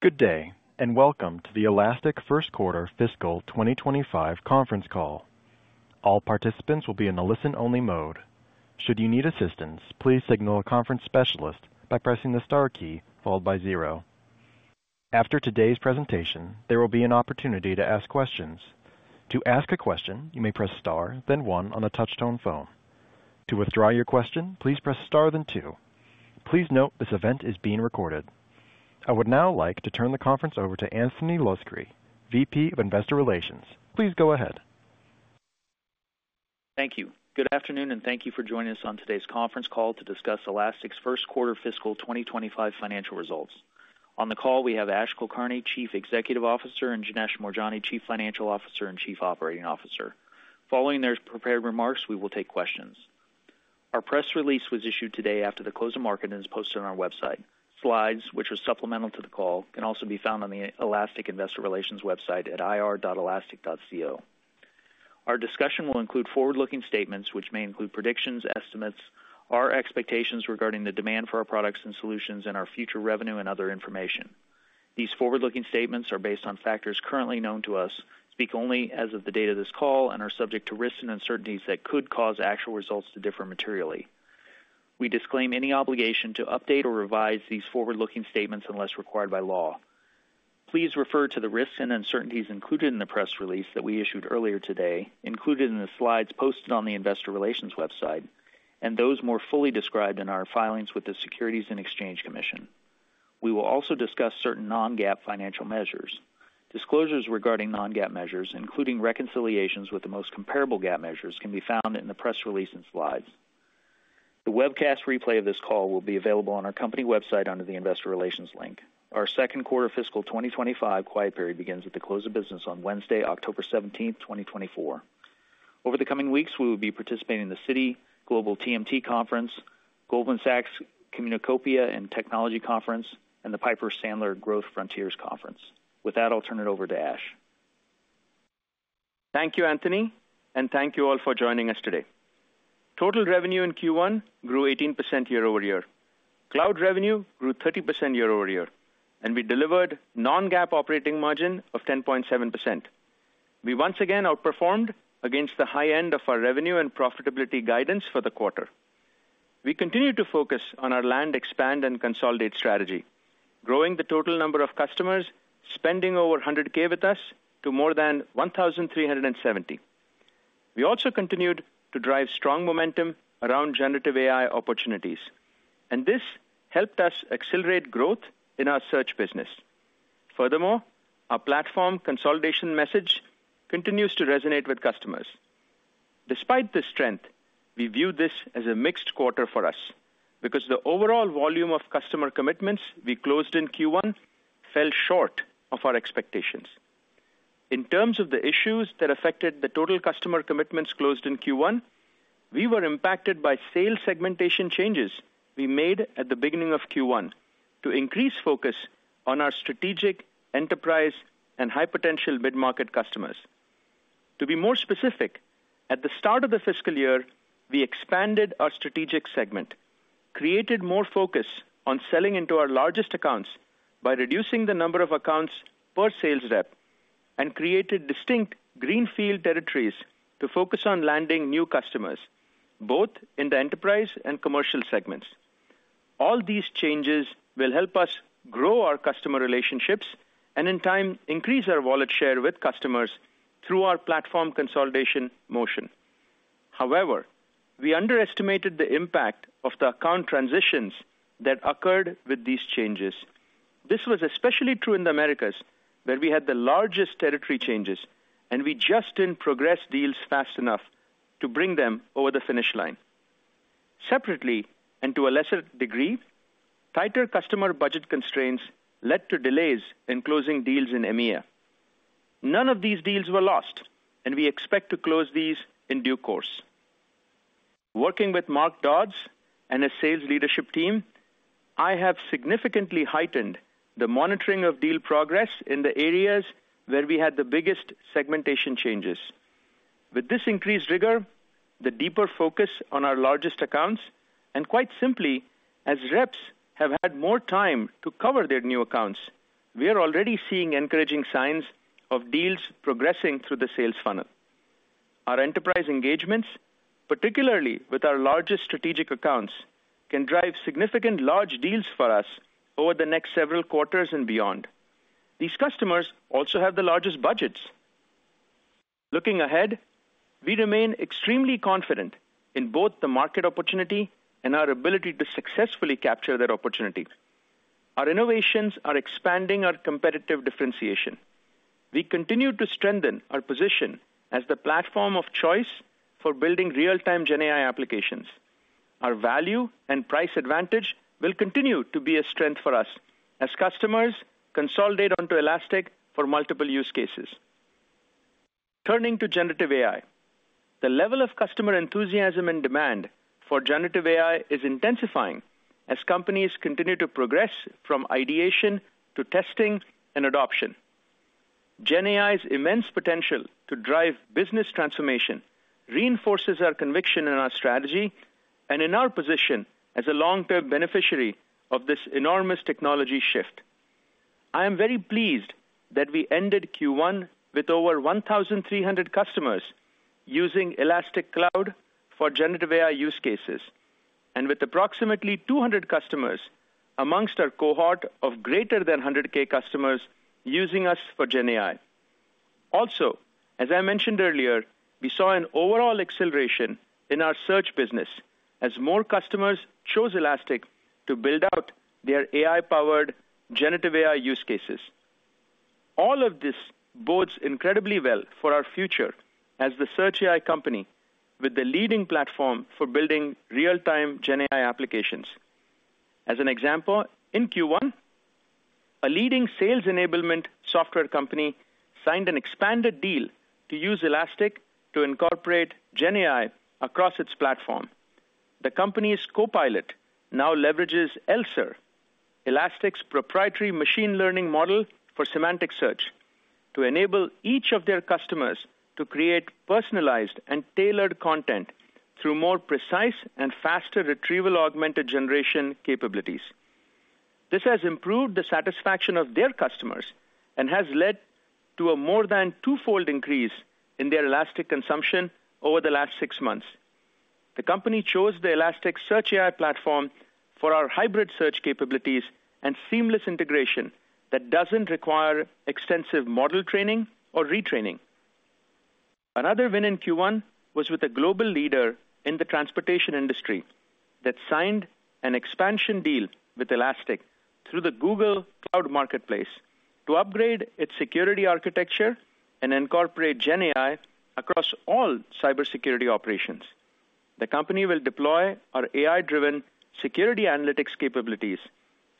Good day, and welcome to the Elastic First Quarter Fiscal 2025 Conference Call. All participants will be in a listen-only mode. Should you need assistance, please signal a conference specialist by pressing the star key, followed by zero. After today's presentation, there will be an opportunity to ask questions. To ask a question, you may press star, then one on the touchtone phone. To withdraw your question, please press star, then two. Please note, this event is being recorded. I would now like to turn the conference over to Anthony Luscri, VP of Investor Relations. Please go ahead. Thank you. Good afternoon, and thank you for joining us on today's conference call to discuss Elastic's First Quarter Fiscal 2025 Financial Results. On the call, we have Ash Kulkarni, Chief Executive Officer, and Janesh Moorjani, Chief Financial Officer and Chief Operating Officer. Following their prepared remarks, we will take questions. Our press release was issued today after the close of market and is posted on our website. Slides, which are supplemental to the call, can also be found on the Elastic Investor Relations website at ir.elastic.co. Our discussion will include forward-looking statements, which may include predictions, estimates, our expectations regarding the demand for our products and solutions, and our future revenue and other information. These forward-looking statements are based on factors currently known to us, speak only as of the date of this call, and are subject to risks and uncertainties that could cause actual results to differ materially. We disclaim any obligation to update or revise these forward-looking statements unless required by law. Please refer to the risks and uncertainties included in the press release that we issued earlier today, included in the slides posted on the Investor Relations website, and those more fully described in our filings with the Securities and Exchange Commission. We will also discuss certain non-GAAP financial measures. Disclosures regarding non-GAAP measures, including reconciliations with the most comparable GAAP measures, can be found in the press release and slides. The webcast replay of this call will be available on our company website under the Investor Relations link. Our second quarter fiscal 2025 quiet period begins at the close of business on Wednesday, October 17th 2024. Over the coming weeks, we will be participating in the Citi Global TMT Conference, Goldman Sachs Communacopia and Technology Conference, and the Piper Sandler Growth Frontiers Conference. With that, I'll turn it over to Ash. Thank you, Anthony, and thank you all for joining us today. Total revenue in Q1 grew 18% year- over-year. Cloud revenue grew 30% year-over-year, and we delivered non-GAAP operating margin of 10.7%. We once again outperformed against the high end of our revenue and profitability guidance for the quarter. We continue to focus on our land, expand, and consolidate strategy, growing the total number of customers spending over $100,000 with us to more than 1,370. We also continued to drive strong momentum around generative AI opportunities, and this helped us accelerate growth in our search business. Furthermore, our platform consolidation message continues to resonate with customers. Despite this strength, we view this as a mixed quarter for us, because the overall volume of customer commitments we closed in Q1 fell short of our expectations. In terms of the issues that affected the total customer commitments closed in Q1, we were impacted by sales segmentation changes we made at the beginning of Q1 to increase focus on our strategic, enterprise, and high-potential mid-market customers. To be more specific, at the start of the fiscal year, we expanded our strategic segment, created more focus on selling into our largest accounts by reducing the number of accounts per sales rep, and created distinct greenfield territories to focus on landing new customers, both in the enterprise and commercial segments. All these changes will help us grow our customer relationships and, in time, increase our wallet share with customers through our platform consolidation motion. However, we underestimated the impact of the account transitions that occurred with these changes. This was especially true in the Americas, where we had the largest territory changes, and we just didn't progress deals fast enough to bring them over the finish line. Separately, and to a lesser degree, tighter customer budget constraints led to delays in closing deals in EMEA. None of these deals were lost, and we expect to close these in due course. Working with Mark Dodds and his sales leadership team, I have significantly heightened the monitoring of deal progress in the areas where we had the biggest segmentation changes. With this increased rigor, the deeper focus on our largest accounts, and quite simply, as reps have had more time to cover their new accounts, we are already seeing encouraging signs of deals progressing through the sales funnel. Our enterprise engagements, particularly with our largest strategic accounts, can drive significant large deals for us over the next several quarters and beyond. These customers also have the largest budgets. Looking ahead, we remain extremely confident in both the market opportunity and our ability to successfully capture that opportunity. Our innovations are expanding our competitive differentiation. We continue to strengthen our position as the platform of choice for building real-time GenAI applications. Our value and price advantage will continue to be a strength for us as customers consolidate onto Elastic for multiple use cases. Turning to generative AI, the level of customer enthusiasm and demand for generative AI is intensifying as companies continue to progress from ideation to testing and adoption. GenAI's immense potential to drive business transformation reinforces our conviction in our strategy and in our position as a long-term beneficiary of this enormous technology shift. I am very pleased that we ended Q1 with over 1,300 customers using Elastic Cloud for generative AI use cases, and with approximately 200 customers amongst our cohort of greater than 100,000 customers using us for GenAI. Also, as I mentioned earlier, we saw an overall acceleration in our search business as more customers chose Elastic to build out their AI-powered generative AI use cases. All of this bodes incredibly well for our future as the search AI company with the leading platform for building real-time GenAI applications. As an example, in Q1, a leading sales enablement software company signed an expanded deal to use Elastic to incorporate GenAI across its platform. The company's copilot now leverages ELSER, Elastic's proprietary machine learning model for semantic search, to enable each of their customers to create personalized and tailored content through more precise and faster retrieval augmented generation capabilities. This has improved the satisfaction of their customers and has led to a more than twofold increase in their Elastic consumption over the last six months. The company chose the Elastic Search AI Platform for our hybrid search capabilities and seamless integration that doesn't require extensive model training or retraining. Another win in Q1 was with a global leader in the transportation industry that signed an expansion deal with Elastic through the Google Cloud Marketplace to upgrade its security architecture and incorporate GenAI across all cybersecurity operations. The company will deploy our AI-driven security analytics capabilities,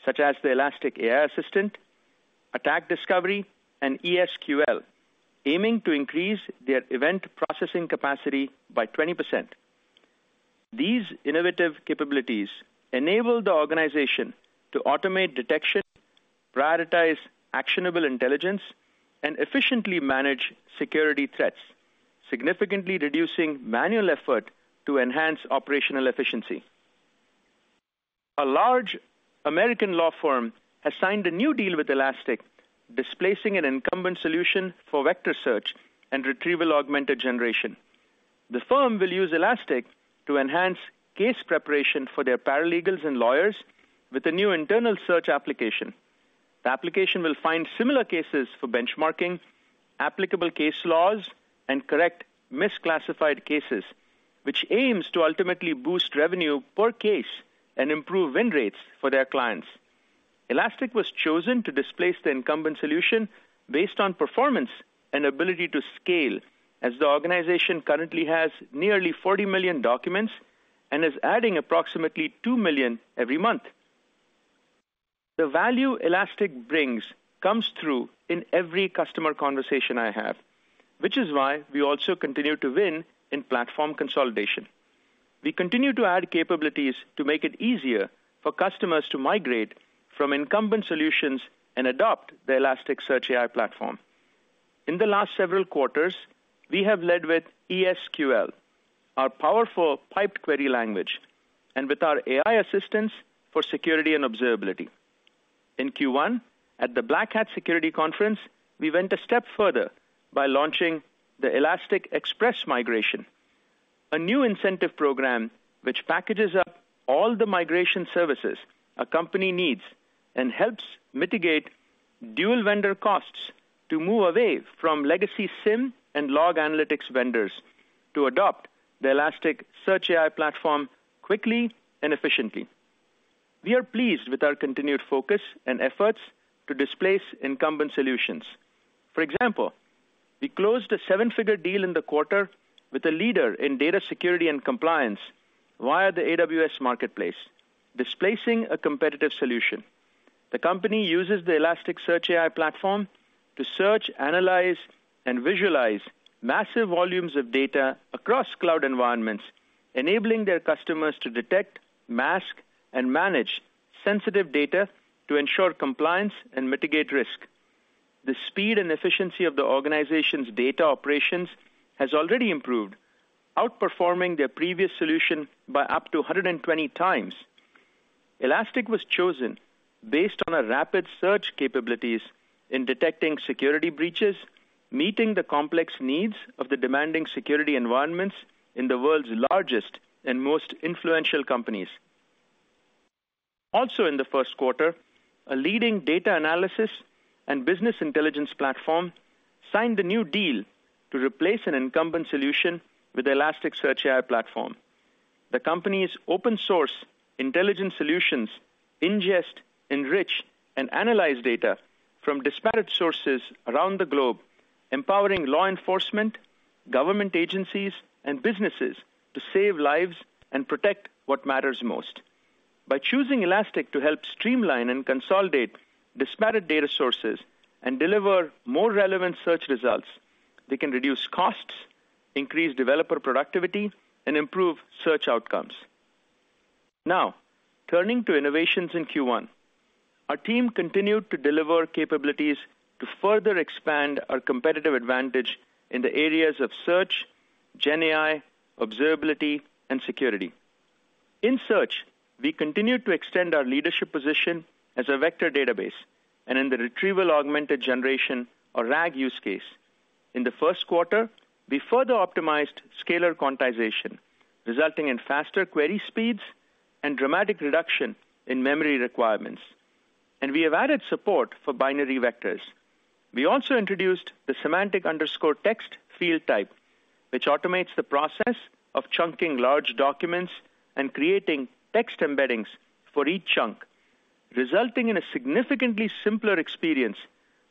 such as the Elastic AI Assistant, Attack Discovery, and ES|QL, aiming to increase their event processing capacity by 20%. These innovative capabilities enable the organization to automate detection, prioritize actionable intelligence, and efficiently manage security threats, significantly reducing manual effort to enhance operational efficiency. A large American law firm has signed a new deal with Elastic, displacing an incumbent solution for vector search and retrieval augmented generation. The firm will use Elastic to enhance case preparation for their paralegals and lawyers with a new internal search application. The application will find similar cases for benchmarking, applicable case laws, and correct misclassified cases, which aims to ultimately boost revenue per case and improve win rates for their clients. Elastic was chosen to displace the incumbent solution based on performance and ability to scale, as the organization currently has nearly 40 million documents and is adding approximately 2 million every month. The value Elastic brings comes through in every customer conversation I have, which is why we also continue to win in platform consolidation. We continue to add capabilities to make it easier for customers to migrate from incumbent solutions and adopt the Elastic Search AI Platform. In the last several quarters, we have led with ES|QL, our powerful piped query language, and with our AI assistants for security and observability. In Q1, at the Black Hat Security Conference, we went a step further by launching the Elastic Express Migration, a new incentive program which packages up all the migration services a company needs and helps mitigate dual vendor costs to move away from legacy SIEM and log analytics vendors to adopt the Elastic Search AI Platform quickly and efficiently. We are pleased with our continued focus and efforts to displace incumbent solutions. For example, we closed a seven-figure deal in the quarter with a leader in data security and compliance via the AWS Marketplace, displacing a competitive solution. The company uses the Elastic Search AI Platform to search, analyze, and visualize massive volumes of data across cloud environments, enabling their customers to detect, mask, and manage sensitive data to ensure compliance and mitigate risk. The speed and efficiency of the organization's data operations has already improved, outperforming their previous solution by up to a 120 times. Elastic was chosen based on our rapid search capabilities in detecting security breaches, meeting the complex needs of the demanding security environments in the world's largest and most influential companies. Also, in the first quarter, a leading data analysis and business intelligence platform signed a new deal to replace an incumbent solution with the Elastic Search AI Platform. The company's open source intelligence solutions ingest, enrich, and analyze data from disparate sources around the globe, empowering law enforcement, government agencies, and businesses to save lives and protect what matters most. By choosing Elastic to help streamline and consolidate disparate data sources and deliver more relevant search results, they can reduce costs, increase developer productivity, and improve search outcomes. Now, turning to innovations in Q1. Our team continued to deliver capabilities to further expand our competitive advantage in the areas of search, GenAI, observability, and security. In search, we continued to extend our leadership position as a vector database and in the retrieval-augmented generation, or RAG, use case. In the first quarter, we further optimized scalar quantization, resulting in faster query speeds and dramatic reduction in memory requirements, and we have added support for binary vectors. We also introduced the semantic_text field type, which automates the process of chunking large documents and creating text embeddings for each chunk, resulting in a significantly simpler experience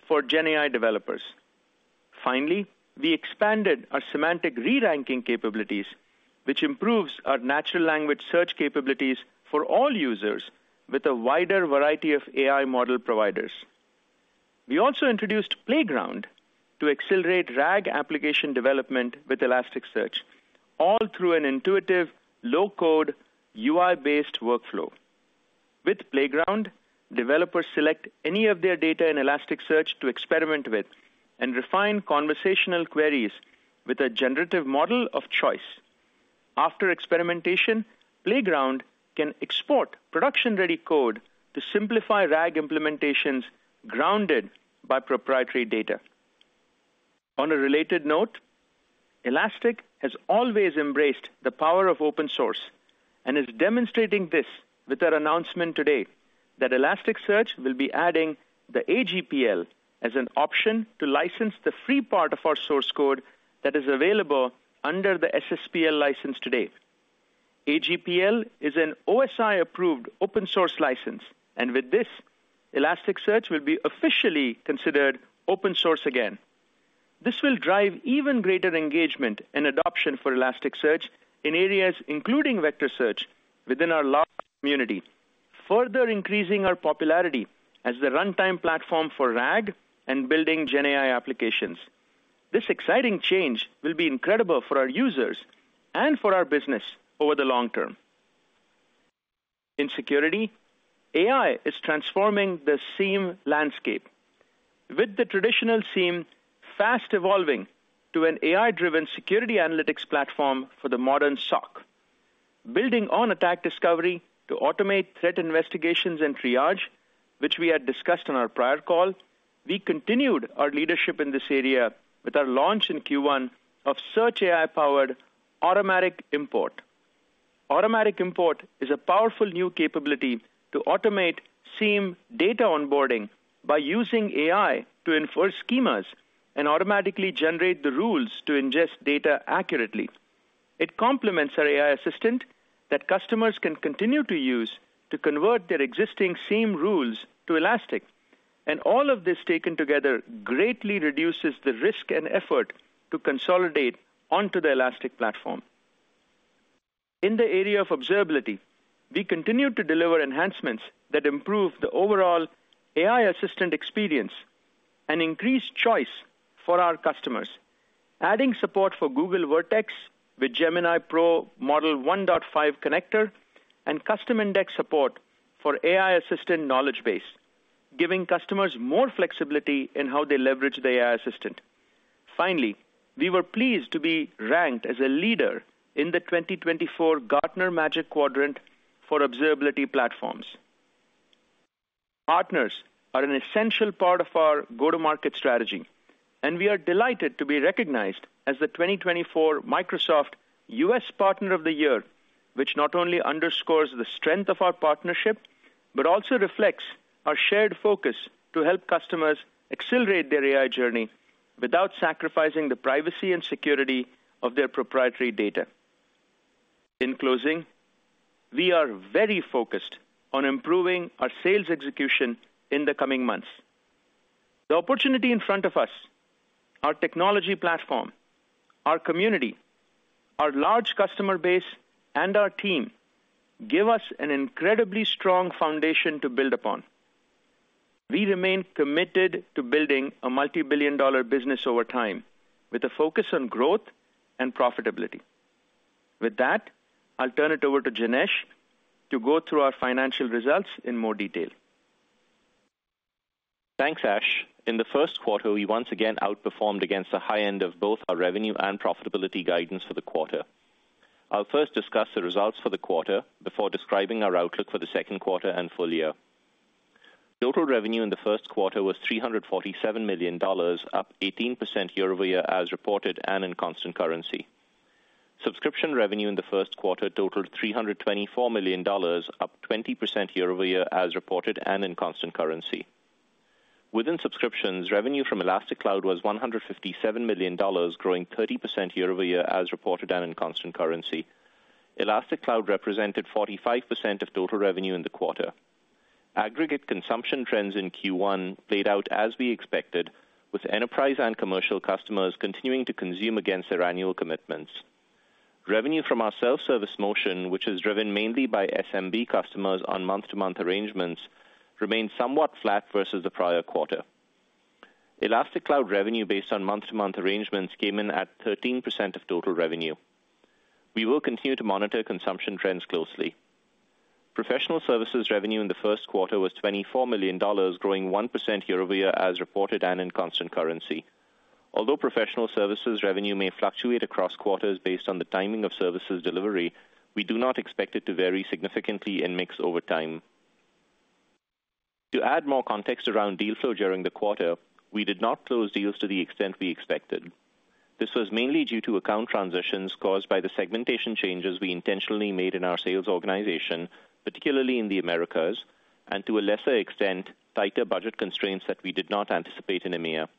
for GenAI developers. Finally, we expanded our semantic re-ranking capabilities, which improves our natural language search capabilities for all users with a wider variety of AI model providers. We also introduced Playground to accelerate RAG application development with Elasticsearch, all through an intuitive, low-code, UI-based workflow. With Playground, developers select any of their data in Elasticsearch to experiment with and refine conversational queries with a generative model of choice. After experimentation, Playground can export production-ready code to simplify RAG implementations grounded by proprietary data. On a related note, Elastic has always embraced the power of open source and is demonstrating this with our announcement today that Elasticsearch will be adding the AGPL as an option to license the free part of our source code that is available under the SSPL license today. AGPL is an OSI-approved open-source license, and with this, Elasticsearch will be officially considered open source again. This will drive even greater engagement and adoption for Elasticsearch in areas including vector search within our large community, further increasing our popularity as the runtime platform for RAG and building GenAI applications. This exciting change will be incredible for our users and for our business over the long term. In security, AI is transforming the SIEM landscape, with the traditional SIEM fast evolving to an AI-driven security analytics platform for the modern SOC. Building on Attack Discovery to automate threat investigations and triage, which we had discussed on our prior call, we continued our leadership in this area with our launch in Q1 of Search AI-powered Automatic Import. Automatic Import is a powerful new capability to automate SIEM data onboarding by using AI to enforce schemas and automatically generate the rules to ingest data accurately. It complements our AI Assistant that customers can continue to use to convert their existing SIEM rules to Elastic, and all of this taken together greatly reduces the risk and effort to consolidate onto the Elastic platform. In the area of observability, we continued to deliver enhancements that improve the overall AI assistant experience and increase choice for our customers. Adding support for Google Vertex with Gemini Pro model 1.5 connector and custom index support for AI assistant knowledge base, giving customers more flexibility in how they leverage the AI assistant. Finally, we were pleased to be ranked as a leader in the 2024 Gartner Magic Quadrant for Observability Platforms. Partners are an essential part of our go-to-market strategy, and we are delighted to be recognized as the 2024 Microsoft U.S. Partner of the Year, which not only underscores the strength of our partnership, but also reflects our shared focus to help customers accelerate their AI journey without sacrificing the privacy and security of their proprietary data. In closing, we are very focused on improving our sales execution in the coming months. The opportunity in front of us, our technology platform, our community, our large customer base, and our team give us an incredibly strong foundation to build upon. We remain committed to building a multi-billion-dollar business over time, with a focus on growth and profitability. With that, I'll turn it over to Janesh to go through our financial results in more detail. Thanks, Ash. In the first quarter, we once again outperformed against the high end of both our revenue and profitability guidance for the quarter. I'll first discuss the results for the quarter before describing our outlook for the second quarter and full year. Total revenue in the first quarter was $347 million, up 18% year-over-year, as reported and in constant currency. Subscription revenue in the first quarter totaled $324 million, up 20% year-over -year, as reported and in constant currency. Within subscriptions, revenue from Elastic Cloud was $157 million, growing 30% year-over-year, as reported and in constant currency. Elastic Cloud represented 45% of total revenue in the quarter. Aggregate consumption trends in Q1 played out as we expected, with enterprise and commercial customers continuing to consume against their annual commitments. Revenue from our self-service motion, which is driven mainly by SMB customers on month-to-month arrangements, remained somewhat flat versus the prior quarter. Elastic Cloud revenue based on month-to-month arrangements came in at 13% of total revenue. We will continue to monitor consumption trends closely. Professional services revenue in the first quarter was $24 million, growing 1% year-over-year as reported and in constant currency. Although professional services revenue may fluctuate across quarters based on the timing of services delivery, we do not expect it to vary significantly in mix over time. To add more context around deal flow during the quarter, we did not close deals to the extent we expected. This was mainly due to account transitions caused by the segmentation changes we intentionally made in our sales organization, particularly in the Americas, and to a lesser extent, tighter budget constraints that we did not anticipate in EMEA.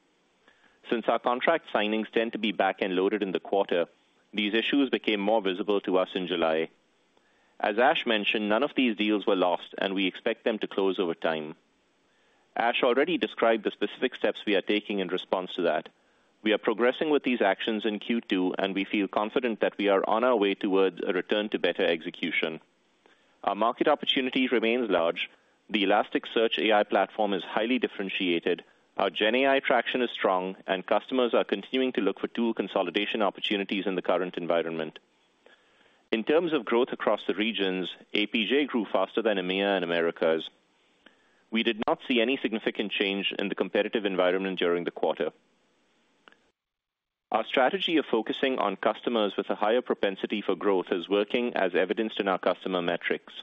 Since our contract signings tend to be back-end loaded in the quarter, these issues became more visible to us in July. As Ash mentioned, none of these deals were lost, and we expect them to close over time. Ash already described the specific steps we are taking in response to that. We are progressing with these actions in Q2, and we feel confident that we are on our way towards a return to better execution. Our market opportunity remains large. The Elastic Search AI Platform is highly differentiated, our GenAI traction is strong, and customers are continuing to look for tool consolidation opportunities in the current environment. In terms of growth across the regions, APJ grew faster than EMEA and Americas. We did not see any significant change in the competitive environment during the quarter. Our strategy of focusing on customers with a higher propensity for growth is working, as evidenced in our customer metrics.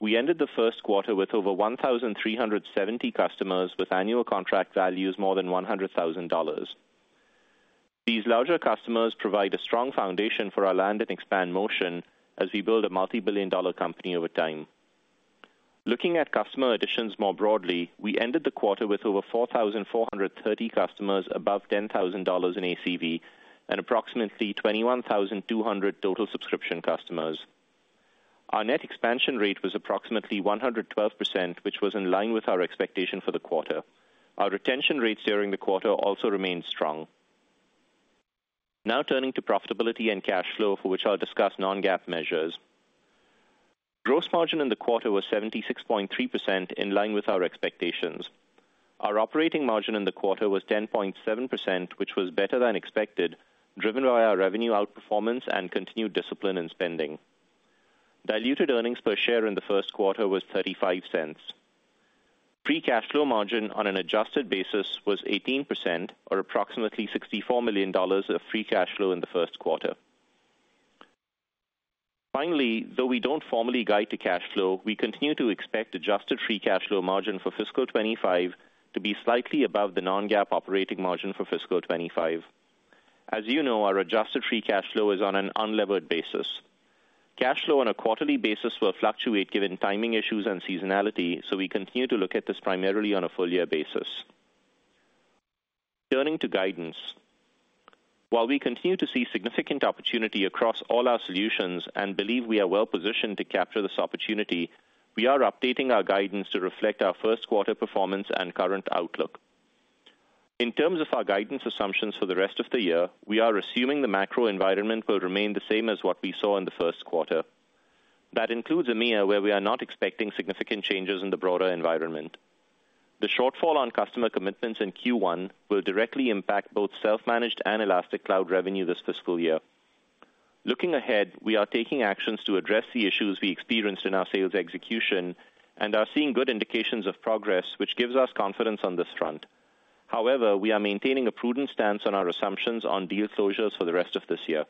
We ended the first quarter with over 1,300 customers, with annual contract values more than $100,000. These larger customers provide a strong foundation for our land and expand motion as we build a multi-billion-dollar company over time. Looking at customer additions more broadly, we ended the quarter with over 4,430 customers above $10,000 in ACV, and approximately 21,200 total subscription customers. Our net expansion rate was approximately 112%, which was in line with our expectation for the quarter. Our retention rates during the quarter also remained strong. Now turning to profitability and cash flow, for which I'll discuss non-GAAP measures. Gross margin in the quarter was 76.3%, in line with our expectations. Our operating margin in the quarter was 10.7%, which was better than expected, driven by our revenue outperformance and continued discipline in spending. Diluted earnings per share in the first quarter was $0.35. Free cash flow margin on an adjusted basis was 18%, or approximately $64 million of free cash flow in the first quarter. Finally, though we don't formally guide to cash flow, we continue to expect adjusted free cash flow margin for fiscal 2025 to be slightly above the non-GAAP operating margin for fiscal 2025. As you know, our adjusted free cash flow is on an unlevered basis. Cash flow on a quarterly basis will fluctuate given timing issues and seasonality, so we continue to look at this primarily on a full year basis. Turning to guidance. While we continue to see significant opportunity across all our solutions and believe we are well positioned to capture this opportunity, we are updating our guidance to reflect our first quarter performance and current outlook. In terms of our guidance assumptions for the rest of the year, we are assuming the macro environment will remain the same as what we saw in the first quarter. That includes EMEA, where we are not expecting significant changes in the broader environment. The shortfall on customer commitments in Q1 will directly impact both self-managed and Elastic Cloud revenue this fiscal year. Looking ahead, we are taking actions to address the issues we experienced in our sales execution and are seeing good indications of progress, which gives us confidence on this front. However, we are maintaining a prudent stance on our assumptions on deal closures for the rest of this year.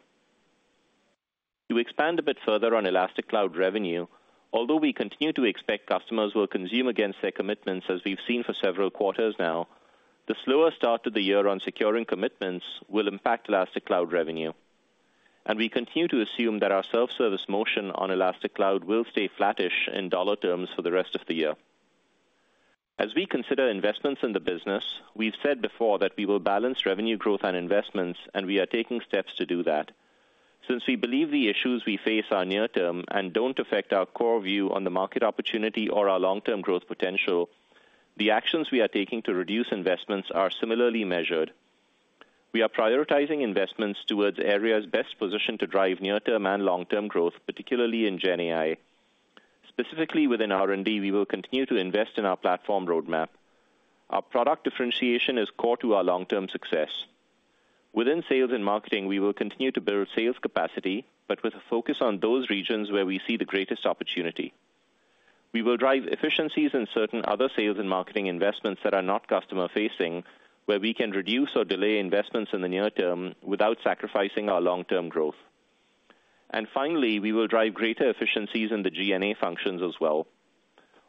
To expand a bit further on Elastic Cloud revenue, although we continue to expect customers will consume against their commitments, as we've seen for several quarters now, the slower start to the year on securing commitments will impact Elastic Cloud revenue, and we continue to assume that our self-service motion on Elastic Cloud will stay flattish in dollar terms for the rest of the year. As we consider investments in the business, we've said before that we will balance revenue growth and investments, and we are taking steps to do that. Since we believe the issues we face are near term and don't affect our core view on the market opportunity or our long-term growth potential, the actions we are taking to reduce investments are similarly measured. We are prioritizing investments towards areas best positioned to drive near-term and long-term growth, particularly in GenAI. Specifically, within R&D, we will continue to invest in our platform roadmap. Our product differentiation is core to our long-term success. Within sales and marketing, we will continue to build sales capacity, but with a focus on those regions where we see the greatest opportunity. We will drive efficiencies in certain other sales and marketing investments that are not customer-facing, where we can reduce or delay investments in the near term without sacrificing our long-term growth. And finally, we will drive greater efficiencies in the G&A functions as well.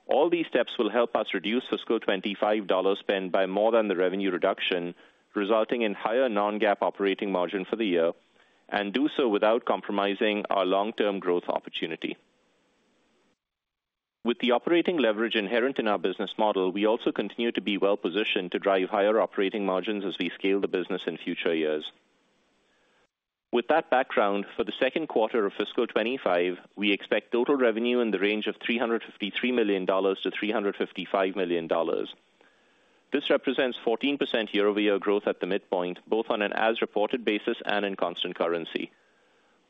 All these steps will help us reduce fiscal 2025 dollar spend by more than the revenue reduction, resulting in higher non-GAAP operating margin for the year, and do so without compromising our long-term growth opportunity. With the operating leverage inherent in our business model, we also continue to be well positioned to drive higher operating margins as we scale the business in future years. With that background, for the second quarter of fiscal 2025, we expect total revenue in the range of $353 million to $355 million. This represents 14% year-over-year growth at the midpoint, both on an as-reported basis and in constant currency....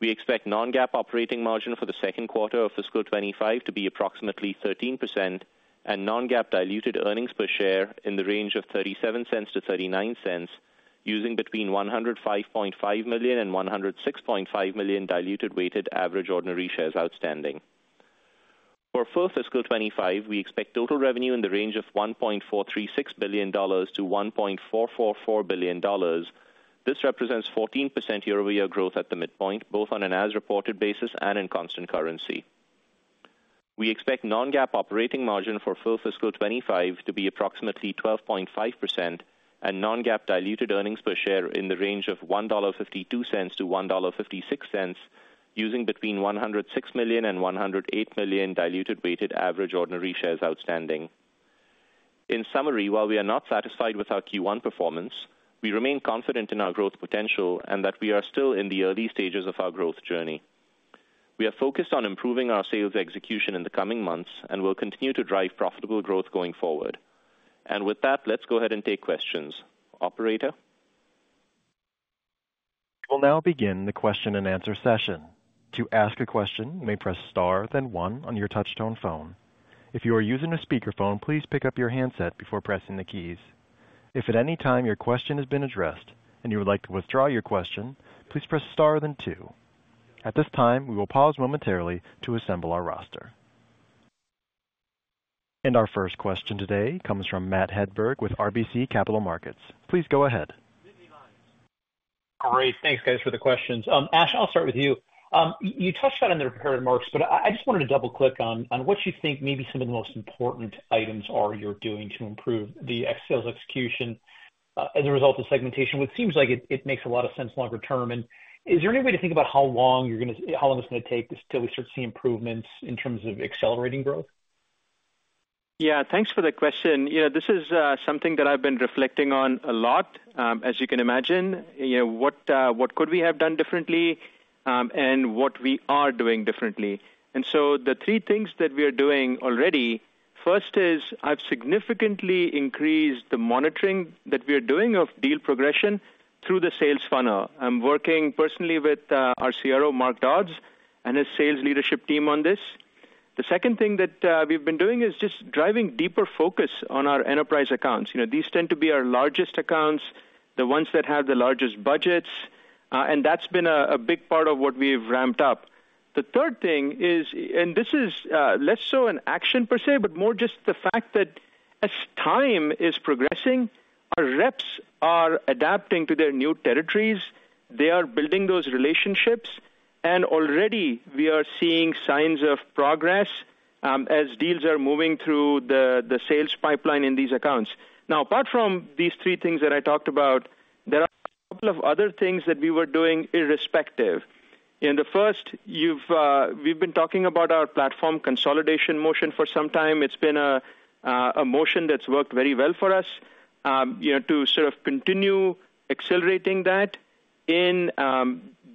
We expect non-GAAP operating margin for the second quarter of fiscal 2025 to be approximately 13% and non-GAAP diluted earnings per share in the range of $0.37 to $0.39, using between 105.5 million and 106.5 million diluted weighted average ordinary shares outstanding. For full fiscal 2025, we expect total revenue in the range of $1.436 billion to $1.444 billion. This represents 14% year-over-year growth at the midpoint, both on an as-reported basis and in constant currency. We expect non-GAAP operating margin for full fiscal 2025 to be approximately 12.5% and non-GAAP diluted earnings per share in the range of $1.52 to $1.56, using between 106 million and 108 million diluted weighted average ordinary shares outstanding. In summary, while we are not satisfied with our Q1 performance, we remain confident in our growth potential and that we are still in the early stages of our growth journey. We are focused on improving our sales execution in the coming months and will continue to drive profitable growth going forward. And with that, let's go ahead and take questions. Operator? We'll now begin the question-and-answer session. To ask a question, you may press star, then one on your touch one phone. If you are using a speakerphone, please pick up your handset before pressing the keys. If at any time your question has been addressed and you would like to withdraw your question, please press star, then two. At this time, we will pause momentarily to assemble our roster. And our first question today comes from Matt Hedberg with RBC Capital Markets. Please go ahead. Great. Thanks, guys, for the questions. Ash, I'll start with you. You touched on it in the prepared remarks, but I just wanted to double-click on what you think maybe some of the most important items are you're doing to improve the sales execution, as a result of segmentation, which seems like it makes a lot of sense longer term. And is there any way to think about how long it's going to take until we start to see improvements in terms of accelerating growth? Yeah, thanks for the question. You know, this is something that I've been reflecting on a lot, as you can imagine, you know, what could we have done differently and what we are doing differently. So the three things that we are doing already: First is, I've significantly increased the monitoring that we are doing of deal progression through the sales funnel. I'm working personally with our CRO, Mark Dodds, and his sales leadership team on this. The second thing that we've been doing is just driving deeper focus on our enterprise accounts. You know, these tend to be our largest accounts, the ones that have the largest budgets, and that's been a big part of what we've ramped up. The third thing is, and this is less so an action per se, but more just the fact that as time is progressing, our reps are adapting to their new territories. They are building those relationships, and already we are seeing signs of progress, as deals are moving through the sales pipeline in these accounts. Now, apart from these three things that I talked about, there are a couple of other things that we were doing irrespective. And the first, we've been talking about our platform consolidation motion for some time. It's been a motion that's worked very well for us, you know, to sort of continue accelerating that. In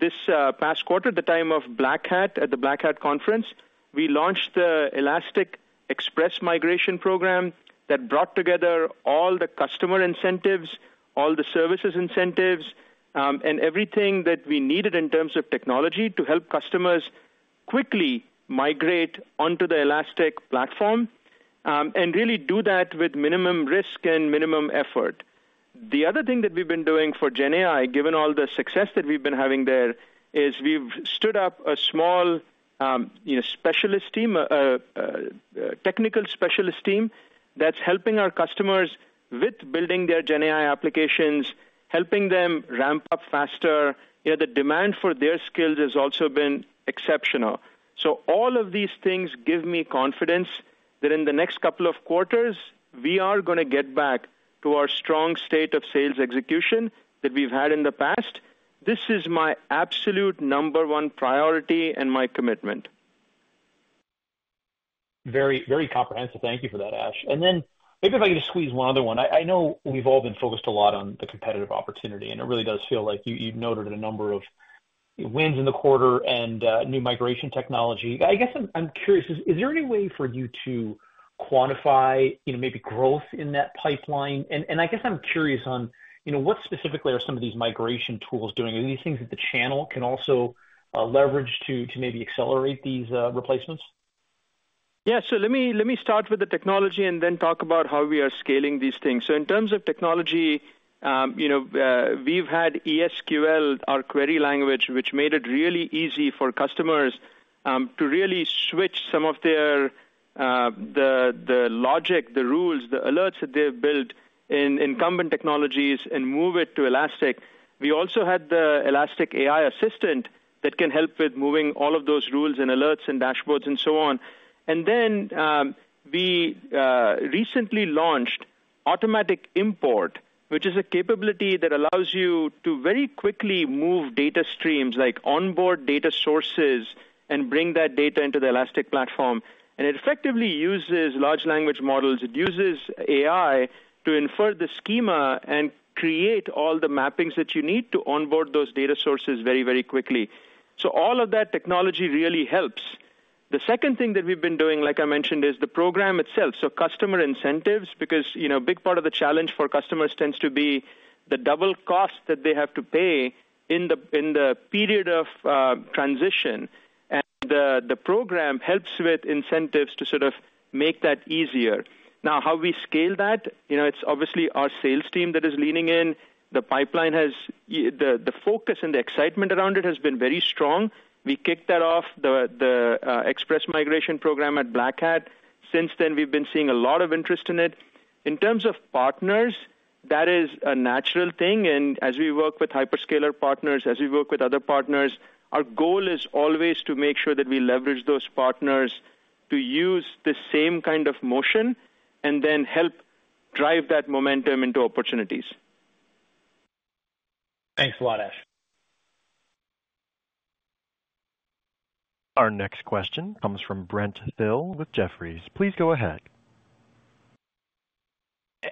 this past quarter, at the time of Black Hat, at the Black Hat conference, we launched the Elastic Express Migration Program that brought together all the customer incentives, all the services incentives, and everything that we needed in terms of technology to help customers quickly migrate onto the Elastic platform, and really do that with minimum risk and minimum effort. The other thing that we've been doing for GenAI, given all the success that we've been having there, is we've stood up a small technical specialist team that's helping our customers with building their GenAI applications, helping them ramp up faster. You know, the demand for their skills has also been exceptional. So all of these things give me confidence that in the next couple of quarters, we are going to get back to our strong state of sales execution that we've had in the past. This is my absolute number one priority and my commitment. Very, very comprehensive. Thank you for that, Ash. And then maybe if I could just squeeze one other one. I know we've all been focused a lot on the competitive opportunity, and it really does feel like you, you've noted a number of wins in the quarter and new migration technology. I guess I'm curious, is there any way for you to quantify, you know, maybe growth in that pipeline? And I guess I'm curious on, you know, what specifically are some of these migration tools doing? Are these things that the channel can also leverage to maybe accelerate these replacements? Yeah. So let me, let me start with the technology and then talk about how we are scaling these things. So in terms of technology, you know, we've had ESQL, our query language, which made it really easy for customers to really switch some of their logic, the rules, the alerts that they've built in incumbent technologies and move it to Elastic. We also had the Elastic AI Assistant that can help with moving all of those rules and alerts and dashboards and so on. And then, we recently launched Automatic Import, which is a capability that allows you to very quickly move data streams, like onboard data sources, and bring that data into the Elastic platform. And it effectively uses large language models. It uses AI to infer the schema and create all the mappings that you need to onboard those data sources very, very quickly, so all of that technology really helps. The second thing that we've been doing, like I mentioned, is the program itself, so customer incentives, because, you know, a big part of the challenge for customers tends to be the double cost that they have to pay in the, in the period of transition, and the program helps with incentives to sort of make that easier. Now, how we scale that, you know, it's obviously our sales team that is leaning in. The pipeline has the focus and the excitement around it has been very strong. We kicked that off, the Express Migration program at Black Hat. Since then, we've been seeing a lot of interest in it. In terms of partners, that is a natural thing, and as we work with hyperscaler partners, as we work with other partners, our goal is always to make sure that we leverage those partners to use the same kind of motion and then help drive that momentum into opportunities. Thanks a lot, Ash. Our next question comes from Brent Thill with Jefferies. Please go ahead.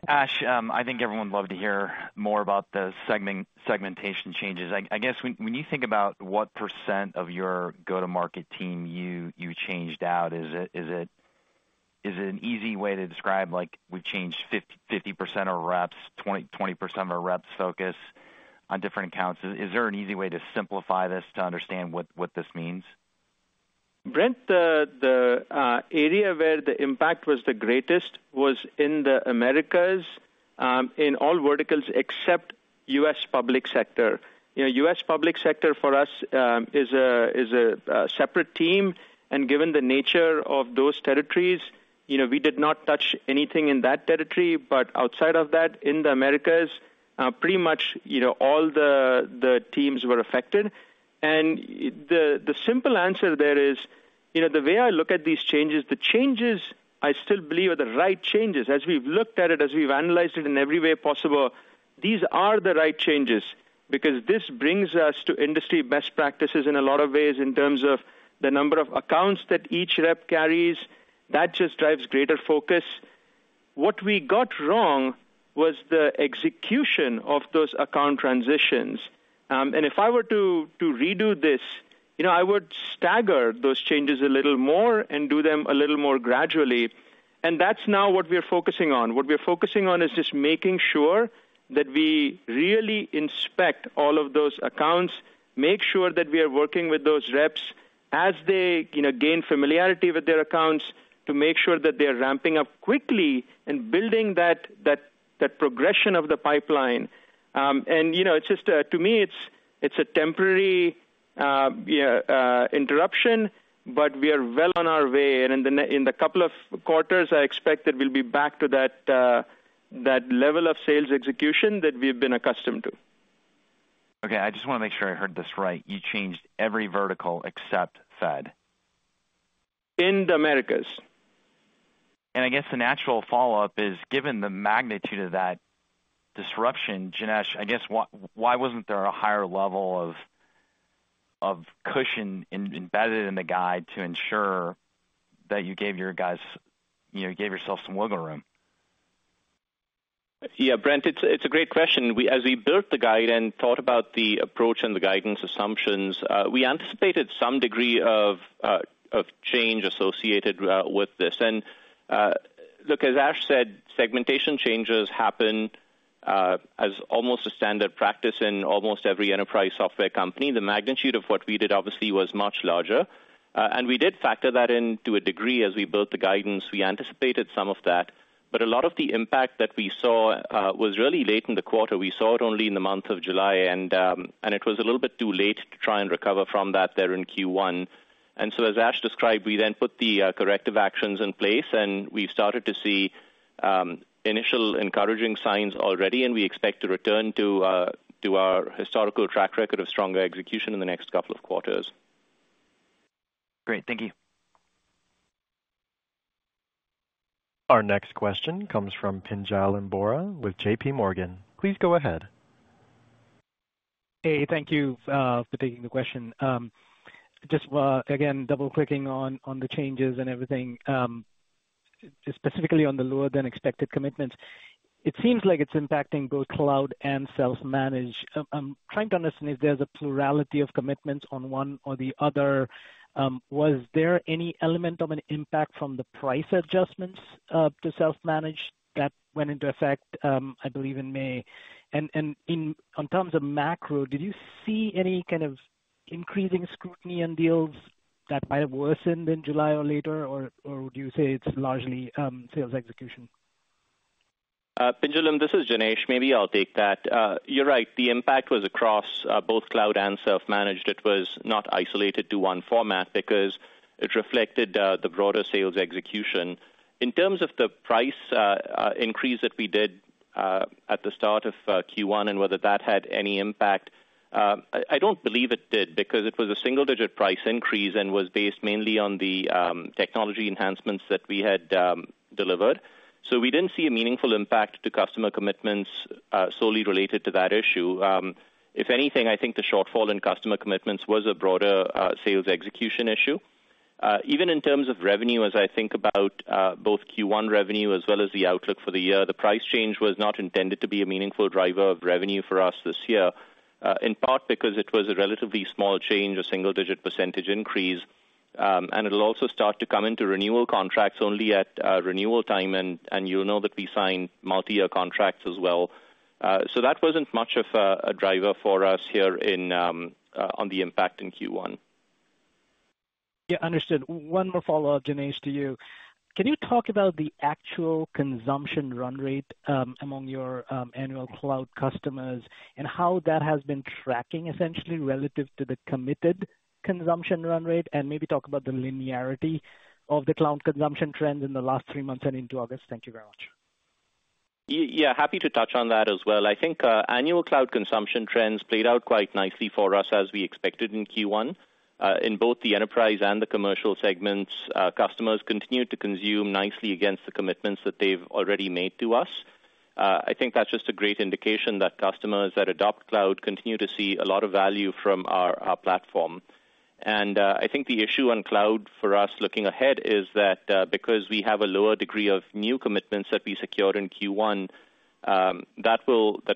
Ash, I think everyone would love to hear more about the segmentation changes. I guess, when you think about what percent of your go-to-market team you changed out, is it an easy way to describe, like, we've changed 50% of our reps, 20% of our reps focus on different accounts? Is there an easy way to simplify this to understand what this means? Brent, the area where the impact was the greatest was in the Americas, in all verticals except US public sector. You know, US public sector for us is a separate team, and given the nature of those territories, you know, we did not touch anything in that territory. But outside of that, in the Americas, pretty much, you know, all the teams were affected. And the simple answer there is, you know, the way I look at these changes, the changes, I still believe, are the right changes. As we've looked at it, as we've analyzed it in every way possible, these are the right changes because this brings us to industry best practices in a lot of ways, in terms of the number of accounts that each rep carries. That just drives greater focus. What we got wrong was the execution of those account transitions, and if I were to redo this, you know, I would stagger those changes a little more and do them a little more gradually, and that's now what we're focusing on. What we're focusing on is just making sure that we really inspect all of those accounts, make sure that we are working with those reps as they, you know, gain familiarity with their accounts, to make sure that they are ramping up quickly and building that progression of the pipeline, and you know, it's just to me, it's a temporary interruption, but we are well on our way, and in the couple of quarters, I expect that we'll be back to that level of sales execution that we've been accustomed to. Okay, I just want to make sure I heard this right. You changed every vertical except Fed? In the Americas. I guess the natural follow-up is, given the magnitude of that disruption, Janesh, I guess, why wasn't there a higher level of cushion embedded in the guide to ensure that you gave your guys, you know, you gave yourself some wiggle room? Yeah, Brent, it's a great question. As we built the guidance and thought about the approach and the guidance assumptions, we anticipated some degree of change associated with this. Look, as Ash said, segmentation changes happen as almost a standard practice in almost every enterprise software company. The magnitude of what we did obviously was much larger, and we did factor that in to a degree as we built the guidance. We anticipated some of that, but a lot of the impact that we saw was really late in the quarter. We saw it only in the month of July, and it was a little bit too late to try and recover from that there in Q1. As Ash described, we then put the corrective actions in place, and we started to see initial encouraging signs already, and we expect to return to our historical track record of stronger execution in the next couple of quarters. Great. Thank you. Our next question comes from Pinjalim Bora with JPMorgan. Please go ahead. Hey, thank you, for taking the question. Just, again, double-clicking on the changes and everything, specifically on the lower-than-expected commitments. It seems like it's impacting both cloud and self-manage. I'm trying to understand if there's a plurality of commitments on one or the other. Was there any element of an impact from the price adjustments to self-manage that went into effect, I believe, in May? And on terms of macro, did you see any kind of increasing scrutiny in deals that might have worsened in July or later, or would you say it's largely sales execution? Pinjal, this is Janesh. Maybe I'll take that. You're right. The impact was across both cloud and self-managed. It was not isolated to one format because it reflected the broader sales execution. In terms of the price increase that we did at the start of Q1 and whether that had any impact, I don't believe it did, because it was a single-digit price increase and was based mainly on the technology enhancements that we had delivered. So we didn't see a meaningful impact to customer commitments solely related to that issue. If anything, I think the shortfall in customer commitments was a broader sales execution issue. Even in terms of revenue, as I think about both Q1 revenue as well as the outlook for the year, the price change was not intended to be a meaningful driver of revenue for us this year, in part because it was a relatively small change, a single-digit percentage increase. And it'll also start to come into renewal contracts only at renewal time, and you'll know that we sign multi-year contracts as well. So that wasn't much of a driver for us here in on the impact in Q1. Yeah, understood. One more follow-up, Janesh, to you. Can you talk about the actual consumption run rate among your annual cloud customers, and how that has been tracking essentially relative to the committed consumption run rate? And maybe talk about the linearity of the cloud consumption trend in the last three months and into August. Thank you very much. Yeah, happy to touch on that as well. I think annual cloud consumption trends played out quite nicely for us, as we expected in Q1. In both the enterprise and the commercial segments, customers continued to consume nicely against the commitments that they've already made to us. I think that's just a great indication that customers that adopt cloud continue to see a lot of value from our platform. And I think the issue on cloud for us, looking ahead, is that because we have a lower degree of new commitments that we secured in Q1, that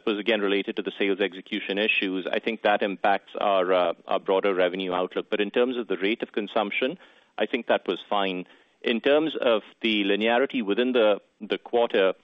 was, again, related to the sales execution issues. I think that impacts our broader revenue outlook. But in terms of the rate of consumption, I think that was fine. In terms of the linearity within the quarter,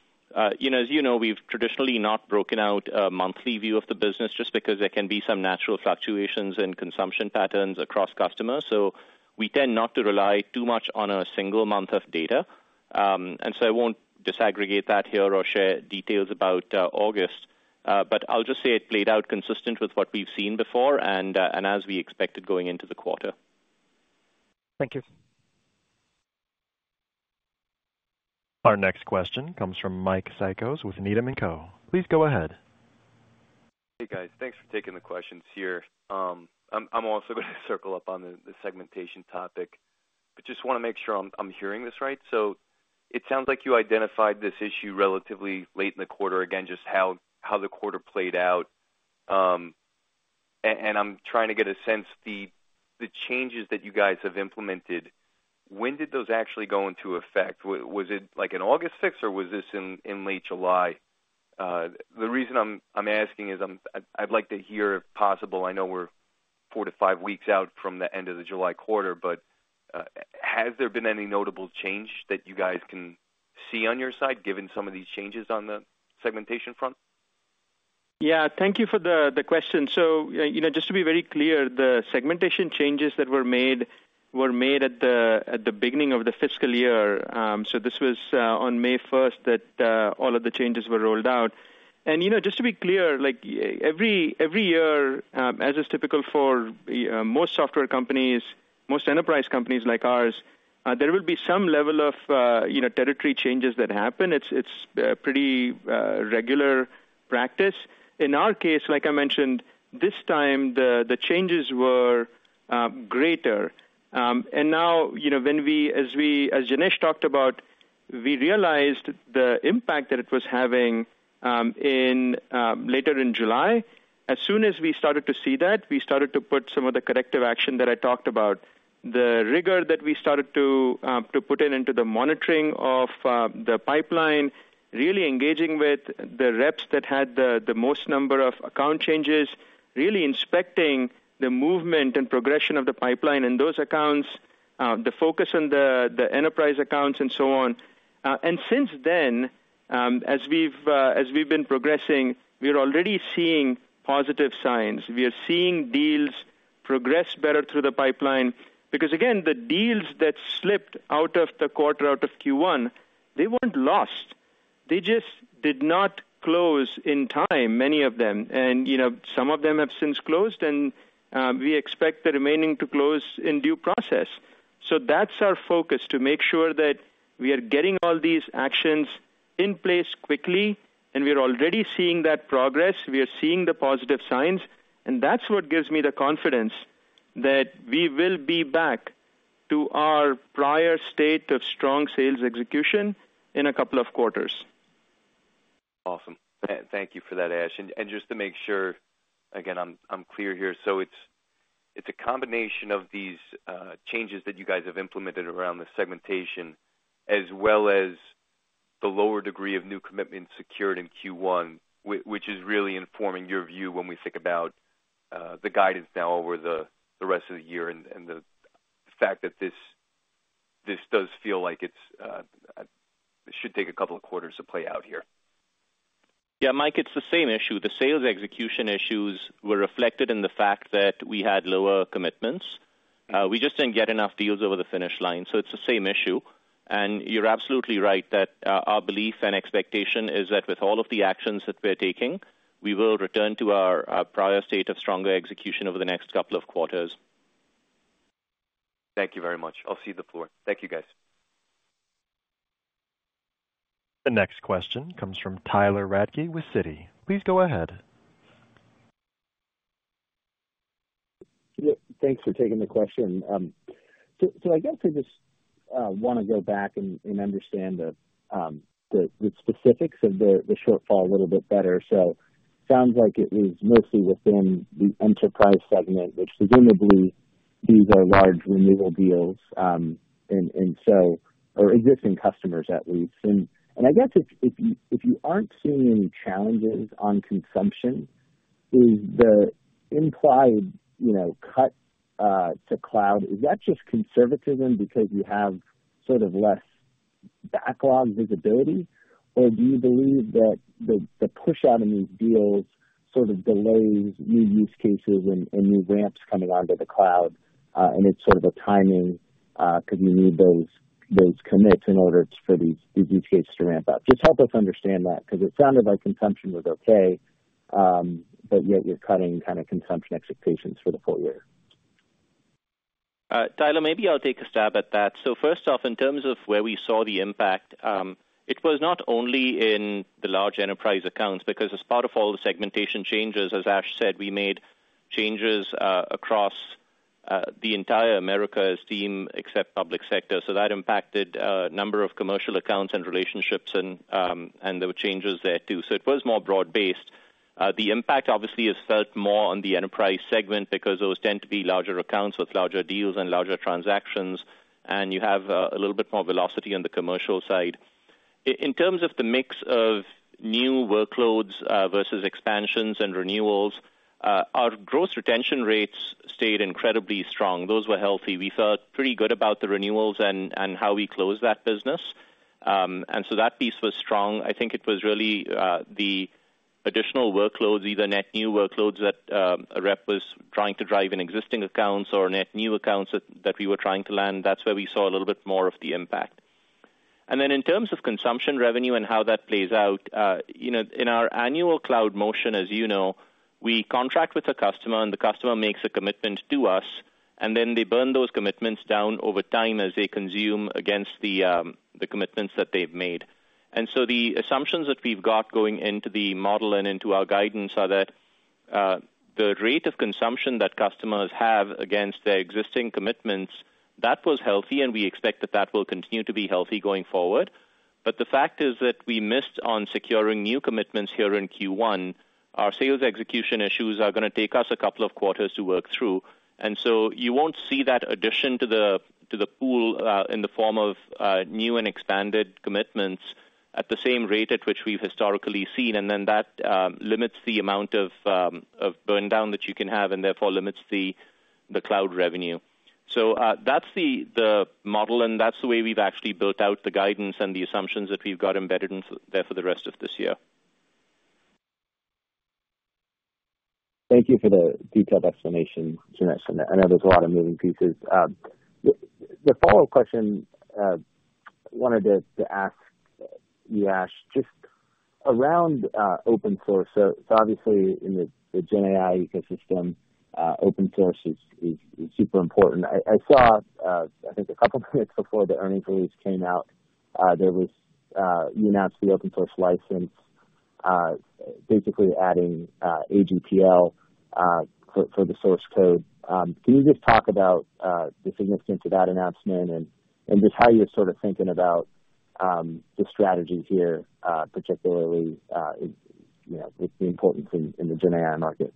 you know, as you know, we've traditionally not broken out a monthly view of the business just because there can be some natural fluctuations in consumption patterns across customers. So we tend not to rely too much on a single month of data. And so I won't disaggregate that here or share details about August. But I'll just say it played out consistent with what we've seen before and as we expected, going into the quarter. Thank you. Our next question comes from Mike Cikos with Needham & Company. Please go ahead. Hey, guys. Thanks for taking the questions here. I'm also going to circle up on the segmentation topic, but just want to make sure I'm hearing this right. So it sounds like you identified this issue relatively late in the quarter. Again, just how the quarter played out. And I'm trying to get a sense, the changes that you guys have implemented, when did those actually go into effect? Was it, like, in August sixth, or was this in late July? The reason I'm asking is I'd like to hear, if possible. I know we're four to five weeks out from the end of the July quarter, but has there been any notable change that you guys can see on your side, given some of these changes on the segmentation front? Yeah, thank you for the question. So, you know, just to be very clear, the segmentation changes that were made were made at the beginning of the fiscal year. So this was on May first that all of the changes were rolled out. And, you know, just to be clear, like, every year, as is typical for most software companies, most enterprise companies like ours, there will be some level of you know, territory changes that happen. It's a pretty regular practice. In our case, like I mentioned, this time, the changes were greater. And now, you know, when we, as we, as Janesh talked about, we realized the impact that it was having in later in July. As soon as we started to see that, we started to put some of the corrective action that I talked about. The rigor that we started to put into the monitoring of the pipeline, really engaging with the reps that had the most number of account changes, really inspecting the movement and progression of the pipeline in those accounts, the focus on the enterprise accounts and so on, and since then, as we've been progressing, we're already seeing positive signs. We are seeing deals progress better through the pipeline because, again, the deals that slipped out of the quarter, out of Q1, they weren't lost. They just did not close in time, many of them, and you know, some of them have since closed, and we expect the remaining to close in due process. That's our focus, to make sure that we are getting all these actions in place quickly, and we are already seeing that progress. We are seeing the positive signs, and that's what gives me the confidence that we will be back to our prior state of strong sales execution in a couple of quarters. Awesome. Thank you for that, Ash. And just to make sure, again, I'm clear here: So it's a combination of these changes that you guys have implemented around the segmentation, as well as the lower degree of new commitments secured in Q1, which is really informing your view when we think about the guidance now over the rest of the year, and the fact that this does feel like it's. It should take a couple of quarters to play out here. Yeah, Mike, it's the same issue. The sales execution issues were reflected in the fact that we had lower commitments. We just didn't get enough deals over the finish line, so it's the same issue. And you're absolutely right that our belief and expectation is that with all of the actions that we're taking, we will return to our prior state of stronger execution over the next couple of quarters. Thank you very much. I'll cede the floor. Thank you, guys. The next question comes from Tyler Radke with Citi. Please go ahead. Yeah, thanks for taking the question. So I guess I just want to go back and understand the specifics of the shortfall a little bit better. So sounds like it was mostly within the enterprise segment, which presumably these are large renewal deals or existing customers, at least. I guess if you aren't seeing any challenges on consumption. Is the implied, you know, cut to cloud, is that just conservatism because you have sort of less backlog visibility? Or do you believe that the push out in these deals sort of delays new use cases and new ramps coming onto the cloud, and it's sort of a timing because you need those commits in order for these use cases to ramp up? Just help us understand that, because it sounded like consumption was okay, but yet you're cutting kind of consumption expectations for the full year. Tyler, maybe I'll take a stab at that, so first off, in terms of where we saw the impact, it was not only in the large enterprise accounts, because as part of all the segmentation changes, as Ash said, we made changes across the entire Americas team, except public sector, so that impacted a number of commercial accounts and relationships, and, and there were changes there, too, so it was more broad-based. The impact obviously is felt more on the enterprise segment because those tend to be larger accounts with larger deals and larger transactions, and you have a little bit more velocity on the commercial side. In terms of the mix of new workloads versus expansions and renewals, our gross retention rates stayed incredibly strong. Those were healthy. We felt pretty good about the renewals and how we closed that business. And so that piece was strong. I think it was really the additional workloads, either net new workloads that a rep was trying to drive in existing accounts or net new accounts that we were trying to land. That's where we saw a little bit more of the impact. And then in terms of consumption revenue and how that plays out, you know, in our annual cloud motion, as you know, we contract with the customer, and the customer makes a commitment to us, and then they burn those commitments down over time as they consume against the commitments that they've made. And so the assumptions that we've got going into the model and into our guidance are that, the rate of consumption that customers have against their existing commitments, that was healthy, and we expect that that will continue to be healthy going forward. But the fact is that we missed on securing new commitments here in Q1. Our sales execution issues are gonna take us a couple of quarters to work through, and so you won't see that addition to the pool, in the form of, new and expanded commitments at the same rate at which we've historically seen. And then that limits the amount of burndown that you can have and therefore limits the cloud revenue. That's the model, and that's the way we've actually built out the guidance and the assumptions that we've got embedded in there for the rest of this year. Thank you for the detailed explanation, Janesh. I know there's a lot of moving pieces. The follow-up question I wanted to ask you, Ash, just around open source. So obviously, in the GenAI ecosystem, open source is super important. I saw, I think a couple of minutes before the earnings release came out, there was... You announced the open source license, basically adding AGPL for the source code. Can you just talk about the significance of that announcement and just how you're sort of thinking about the strategies here, particularly, you know, the importance in the GenAI market?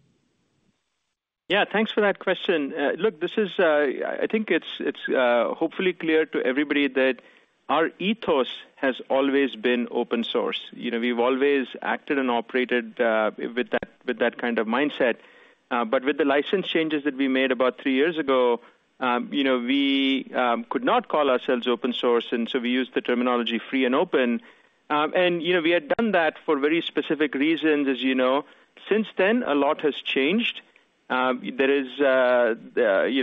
Yeah, thanks for that question. Look, this is, I think it's hopefully clear to everybody that our ethos has always been open source. You know, we've always acted and operated with that, with that kind of mindset. But with the license changes that we made about three years ago, you know, we could not call ourselves open source, and so we used the terminology free and open. And, you know, we had done that for very specific reasons, as you know. Since then, a lot has changed. There is, you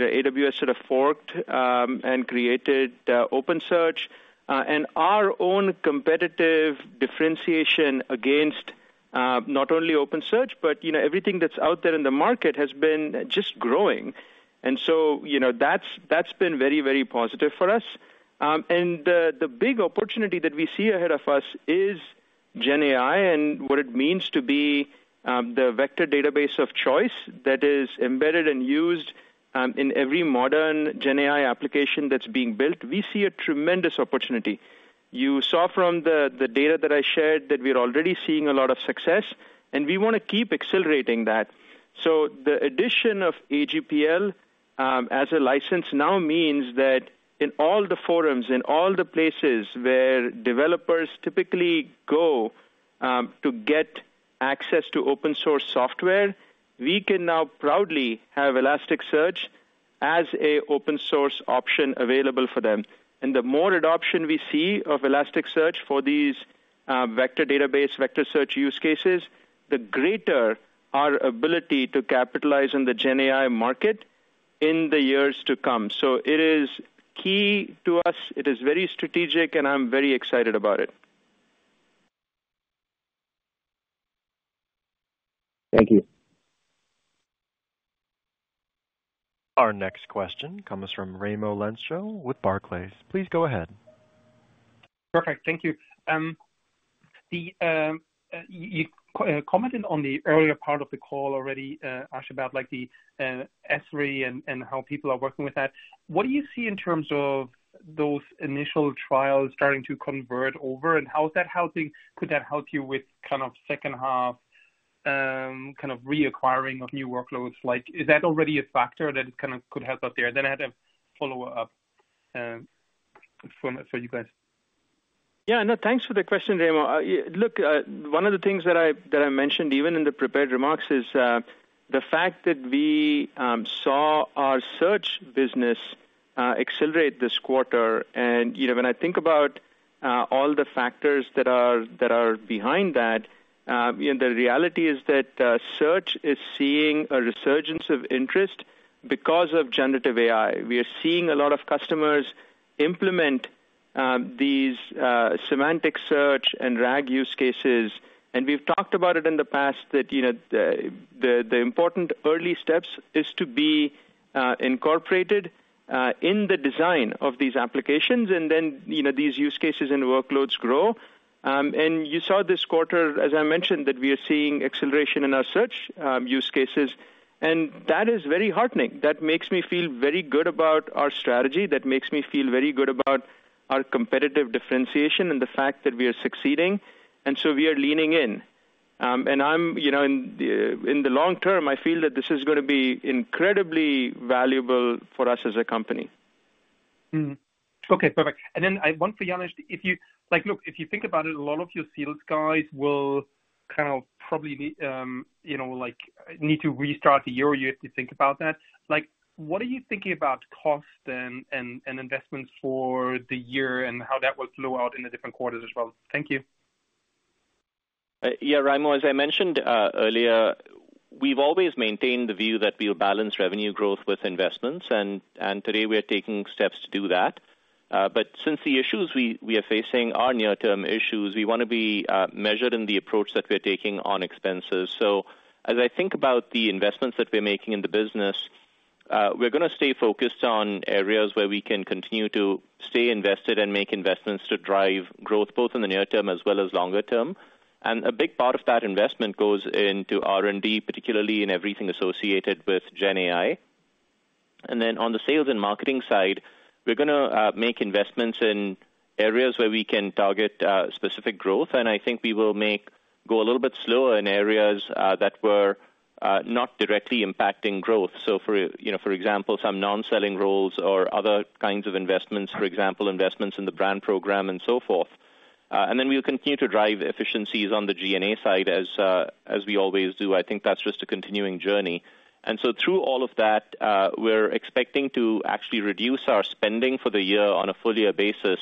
know, AWS sort of forked and created OpenSearch, and our own competitive differentiation against not only OpenSearch, but, you know, everything that's out there in the market has been just growing. And so, you know, that's been very, very positive for us. And the big opportunity that we see ahead of us is GenAI and what it means to be the vector database of choice that is embedded and used in every modern GenAI application that's being built. We see a tremendous opportunity. You saw from the data that I shared that we're already seeing a lot of success, and we want to keep accelerating that. So the addition of AGPL as a license now means that in all the forums, in all the places where developers typically go to get access to open source software, we can now proudly have Elasticsearch as an open source option available for them. And the more adoption we see of Elasticsearch for these vector database, vector search use cases, the greater our ability to capitalize on the GenAI market in the years to come. So it is key to us, it is very strategic, and I'm very excited about it. Thank you. Our next question comes from Raimo Lenschow with Barclays. Please go ahead. Perfect. Thank you. You commented on the earlier part of the call already, Ash, about like the S3 and how people are working with that. What do you see in terms of those initial trials starting to convert over, and how is that helping? Could that help you with kind of second half, kind of reacquiring of new workloads? Like, is that already a factor that kind of could help out there? Then I had a follow-up for you guys.... Yeah, no, thanks for the question, Raimo. Look, one of the things that I mentioned, even in the prepared remarks, is the fact that we saw our search business accelerate this quarter. And, you know, when I think about all the factors that are behind that, the reality is that search is seeing a resurgence of interest because of generative AI. We are seeing a lot of customers implement these semantic search and RAG use cases. And we've talked about it in the past, that, you know, the important early steps is to be incorporated in the design of these applications, and then, you know, these use cases and workloads grow. And you saw this quarter, as I mentioned, that we are seeing acceleration in our search use cases, and that is very heartening. That makes me feel very good about our strategy. That makes me feel very good about our competitive differentiation and the fact that we are succeeding, and so we are leaning in. And I'm, you know, in the long term, I feel that this is gonna be incredibly valuable for us as a company. Mm-hmm. Okay, perfect. And then I have one for Janesh. If you like, look, if you think about it, a lot of your sales guys will kind of probably, you know, like, need to restart the year. You have to think about that. Like, what are you thinking about cost and investment for the year and how that will flow out in the different quarters as well? Thank you. Yeah, Raimo, as I mentioned earlier, we've always maintained the view that we'll balance revenue growth with investments, and today we are taking steps to do that, but since the issues we are facing are near-term issues, we wanna be measured in the approach that we're taking on expenses, So as I think about the investments that we're making in the business, we're gonna stay focused on areas where we can continue to stay invested and make investments to drive growth, both in the near term as well as longer term, and a big part of that investment goes into R&D, particularly in everything associated with GenAI, and then on the sales and marketing side, we're gonna make investments in areas where we can target specific growth, and I think we will make... Go a little bit slower in areas that were not directly impacting growth, so for, you know, for example, some non-selling roles or other kinds of investments, for example, investments in the brand program and so forth, and then we'll continue to drive efficiencies on the G&A side, as we always do. I think that's just a continuing journey, and so through all of that, we're expecting to actually reduce our spending for the year on a full year basis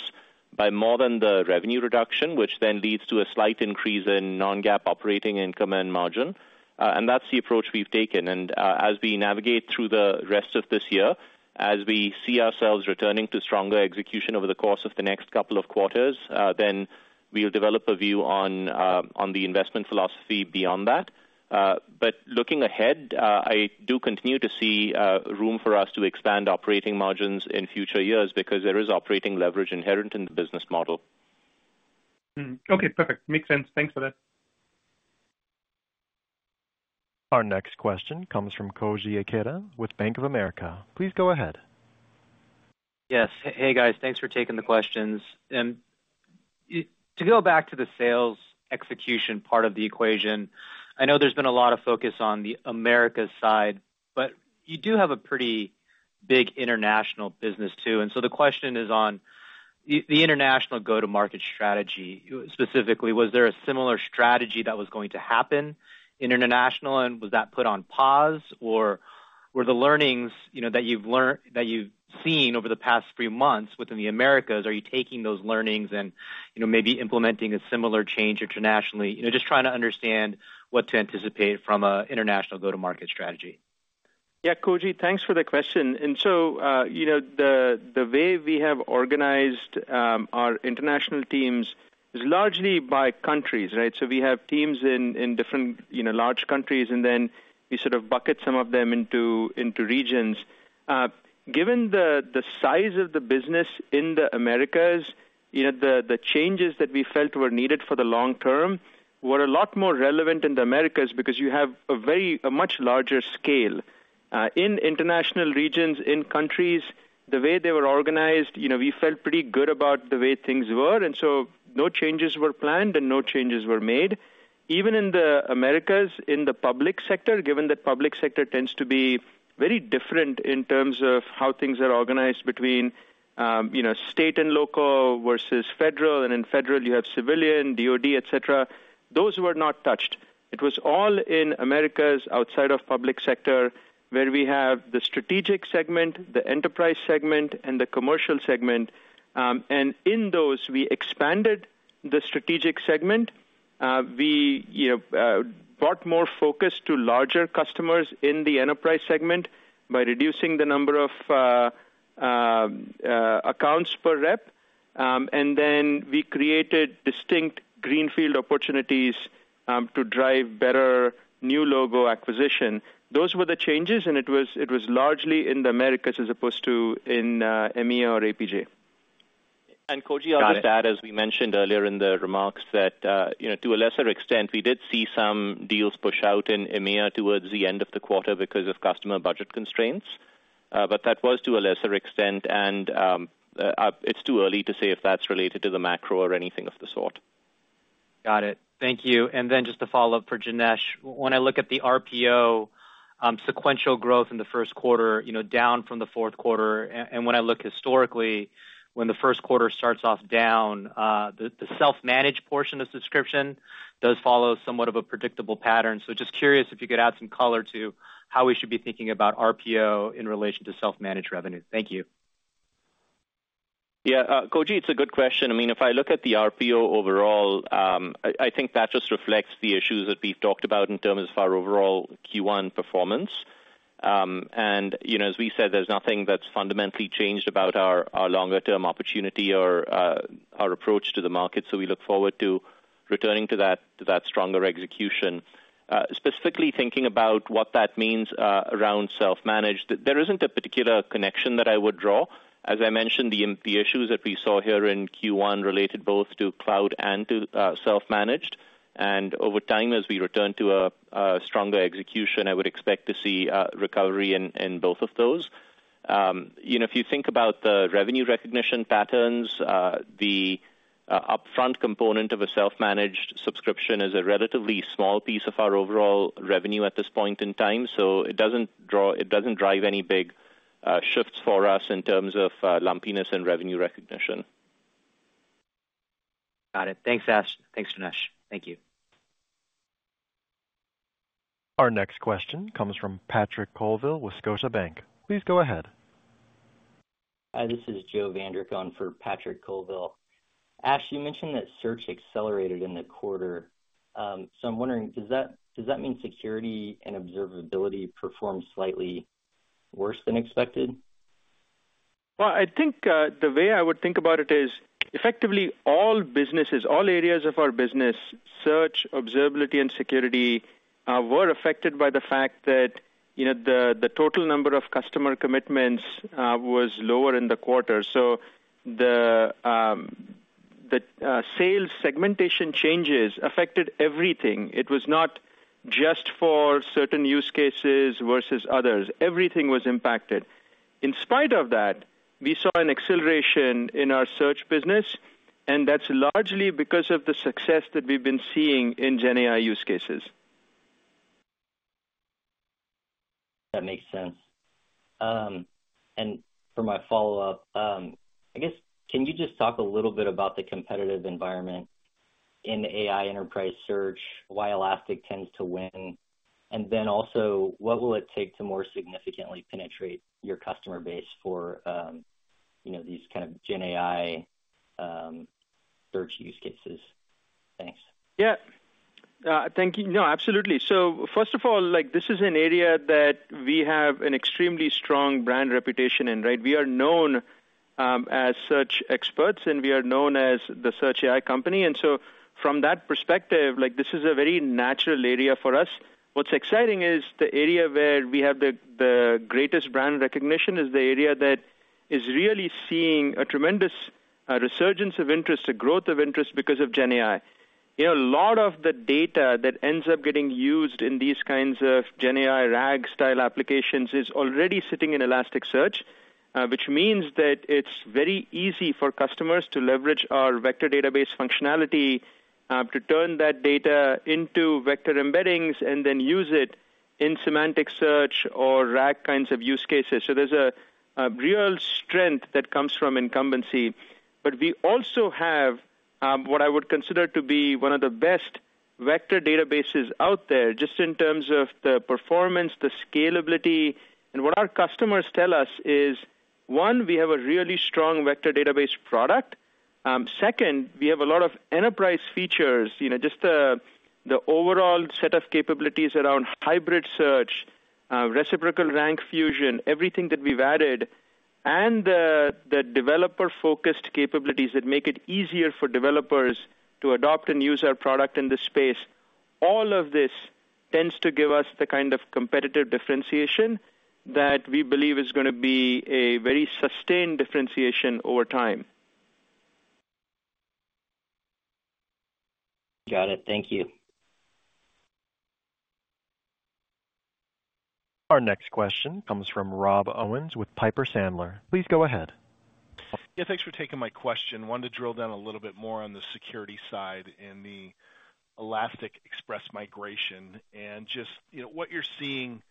by more than the revenue reduction, which then leads to a slight increase in non-GAAP operating income and margin, and that's the approach we've taken. As we navigate through the rest of this year, as we see ourselves returning to stronger execution over the course of the next couple of quarters, then we'll develop a view on the investment philosophy beyond that. But looking ahead, I do continue to see room for us to expand operating margins in future years because there is operating leverage inherent in the business model. Mm-hmm. Okay, perfect. Makes sense. Thanks for that. Our next question comes from Koji Ikeda with Bank of America. Please go ahead. Yes. Hey, guys. Thanks for taking the questions. To go back to the sales execution part of the equation, I know there's been a lot of focus on the Americas side, but you do have a pretty big international business, too. And so the question is on the international go-to-market strategy. Specifically, was there a similar strategy that was going to happen in international, and was that put on pause? Or were the learnings, you know, that you've learned, that you've seen over the past few months within the Americas, are you taking those learnings and, you know, maybe implementing a similar change internationally? You know, just trying to understand what to anticipate from an international go-to-market strategy. Yeah, Koji, thanks for the question. And so, you know, the way we have organized our international teams is largely by countries, right? So we have teams in different, you know, large countries, and then we sort of bucket some of them into regions. Given the size of the business in the Americas, you know, the changes that we felt were needed for the long term were a lot more relevant in the Americas because you have a very much larger scale. In international regions, in countries, the way they were organized, you know, we felt pretty good about the way things were, and so no changes were planned, and no changes were made. Even in the Americas, in the public sector, given that public sector tends to be very different in terms of how things are organized between, you know, state and local versus federal, and in federal, you have civilian, DoD, et cetera. Those were not touched. It was all in Americas, outside of public sector, where we have the strategic segment, the enterprise segment, and the commercial segment, and in those, we expanded the strategic segment. We, you know, brought more focus to larger customers in the enterprise segment by reducing the number of accounts per rep, and then we created distinct greenfield opportunities to drive better new logo acquisition. Those were the changes, and it was largely in the Americas, as opposed to in EMEA or APJ. And, Koji, I'll just add, as we mentioned earlier in the remarks, that, you know, to a lesser extent, we did see some deals push out in EMEA towards the end of the quarter because of customer budget constraints, but that was to a lesser extent, and, it's too early to say if that's related to the macro or anything of the sort. Got it. Thank you. And then just a follow-up for Janesh. When I look at the RPO, sequential growth in the first quarter, you know, down from the fourth quarter, and when I look historically, when the first quarter starts off down, the self-managed portion of subscription does follow somewhat of a predictable pattern. So just curious if you could add some color to how we should be thinking about RPO in relation to self-managed revenue. Thank you. Yeah, Koji, it's a good question. I mean, if I look at the RPO overall, I think that just reflects the issues that we've talked about in terms of our overall Q1 performance. And, you know, as we said, there's nothing that's fundamentally changed about our longer-term opportunity or our approach to the market, so we look forward to returning to that stronger execution. Specifically thinking about what that means around self-managed, there isn't a particular connection that I would draw. As I mentioned, the issues that we saw here in Q1 related both to cloud and to self-managed, and over time, as we return to a stronger execution, I would expect to see a recovery in both of those. You know, if you think about the revenue recognition patterns, the upfront component of a self-managed subscription is a relatively small piece of our overall revenue at this point in time, so it doesn't drive any big shifts for us in terms of lumpiness and revenue recognition. Got it. Thanks, Ash. Thanks, Janesh. Thank you. Our next question comes from Patrick Colville with Scotiabank. Please go ahead. Hi, this is Joe Vandrick on for Patrick Colville. Ash, you mentioned that search accelerated in the quarter. So I'm wondering, does that mean security and observability performed slightly worse than expected? I think the way I would think about it is, effectively, all businesses, all areas of our business, search, observability, and security, were affected by the fact that, you know, the total number of customer commitments was lower in the quarter. So the sales segmentation changes affected everything. It was not just for certain use cases versus others. Everything was impacted. In spite of that, we saw an acceleration in our search business, and that's largely because of the success that we've been seeing in GenAI use cases. That makes sense, and for my follow-up, I guess, can you just talk a little bit about the competitive environment in the AI enterprise search, why Elastic tends to win, and then also, what will it take to more significantly penetrate your customer base for, you know, these kind of GenAI, search use cases? Thanks. Yeah. Thank you. No, absolutely. So first of all, like, this is an area that we have an extremely strong brand reputation in, right? We are known as search experts, and we are known as the search AI company, and so from that perspective, like, this is a very natural area for us. What's exciting is the area where we have the greatest brand recognition is the area that is really seeing a tremendous resurgence of interest, a growth of interest, because of GenAI. You know, a lot of the data that ends up getting used in these kinds of GenAI RAG-style applications is already sitting in Elasticsearch, which means that it's very easy for customers to leverage our vector database functionality to turn that data into vector embeddings and then use it in semantic search or RAG kinds of use cases. So there's a real strength that comes from incumbency. But we also have what I would consider to be one of the best vector databases out there, just in terms of the performance, the scalability. And what our customers tell us is, one, we have a really strong vector database product. Second, we have a lot of enterprise features, you know, just the overall set of capabilities around hybrid search, reciprocal rank fusion, everything that we've added, and the developer-focused capabilities that make it easier for developers to adopt and use our product in this space. All of this tends to give us the kind of competitive differentiation that we believe is gonna be a very sustained differentiation over time. Got it. Thank you. Our next question comes from Rob Owens with Piper Sandler. Please go ahead. Yeah, thanks for taking my question. Wanted to drill down a little bit more on the security side and the Elastic Express Migration and just, you know, what you're seeing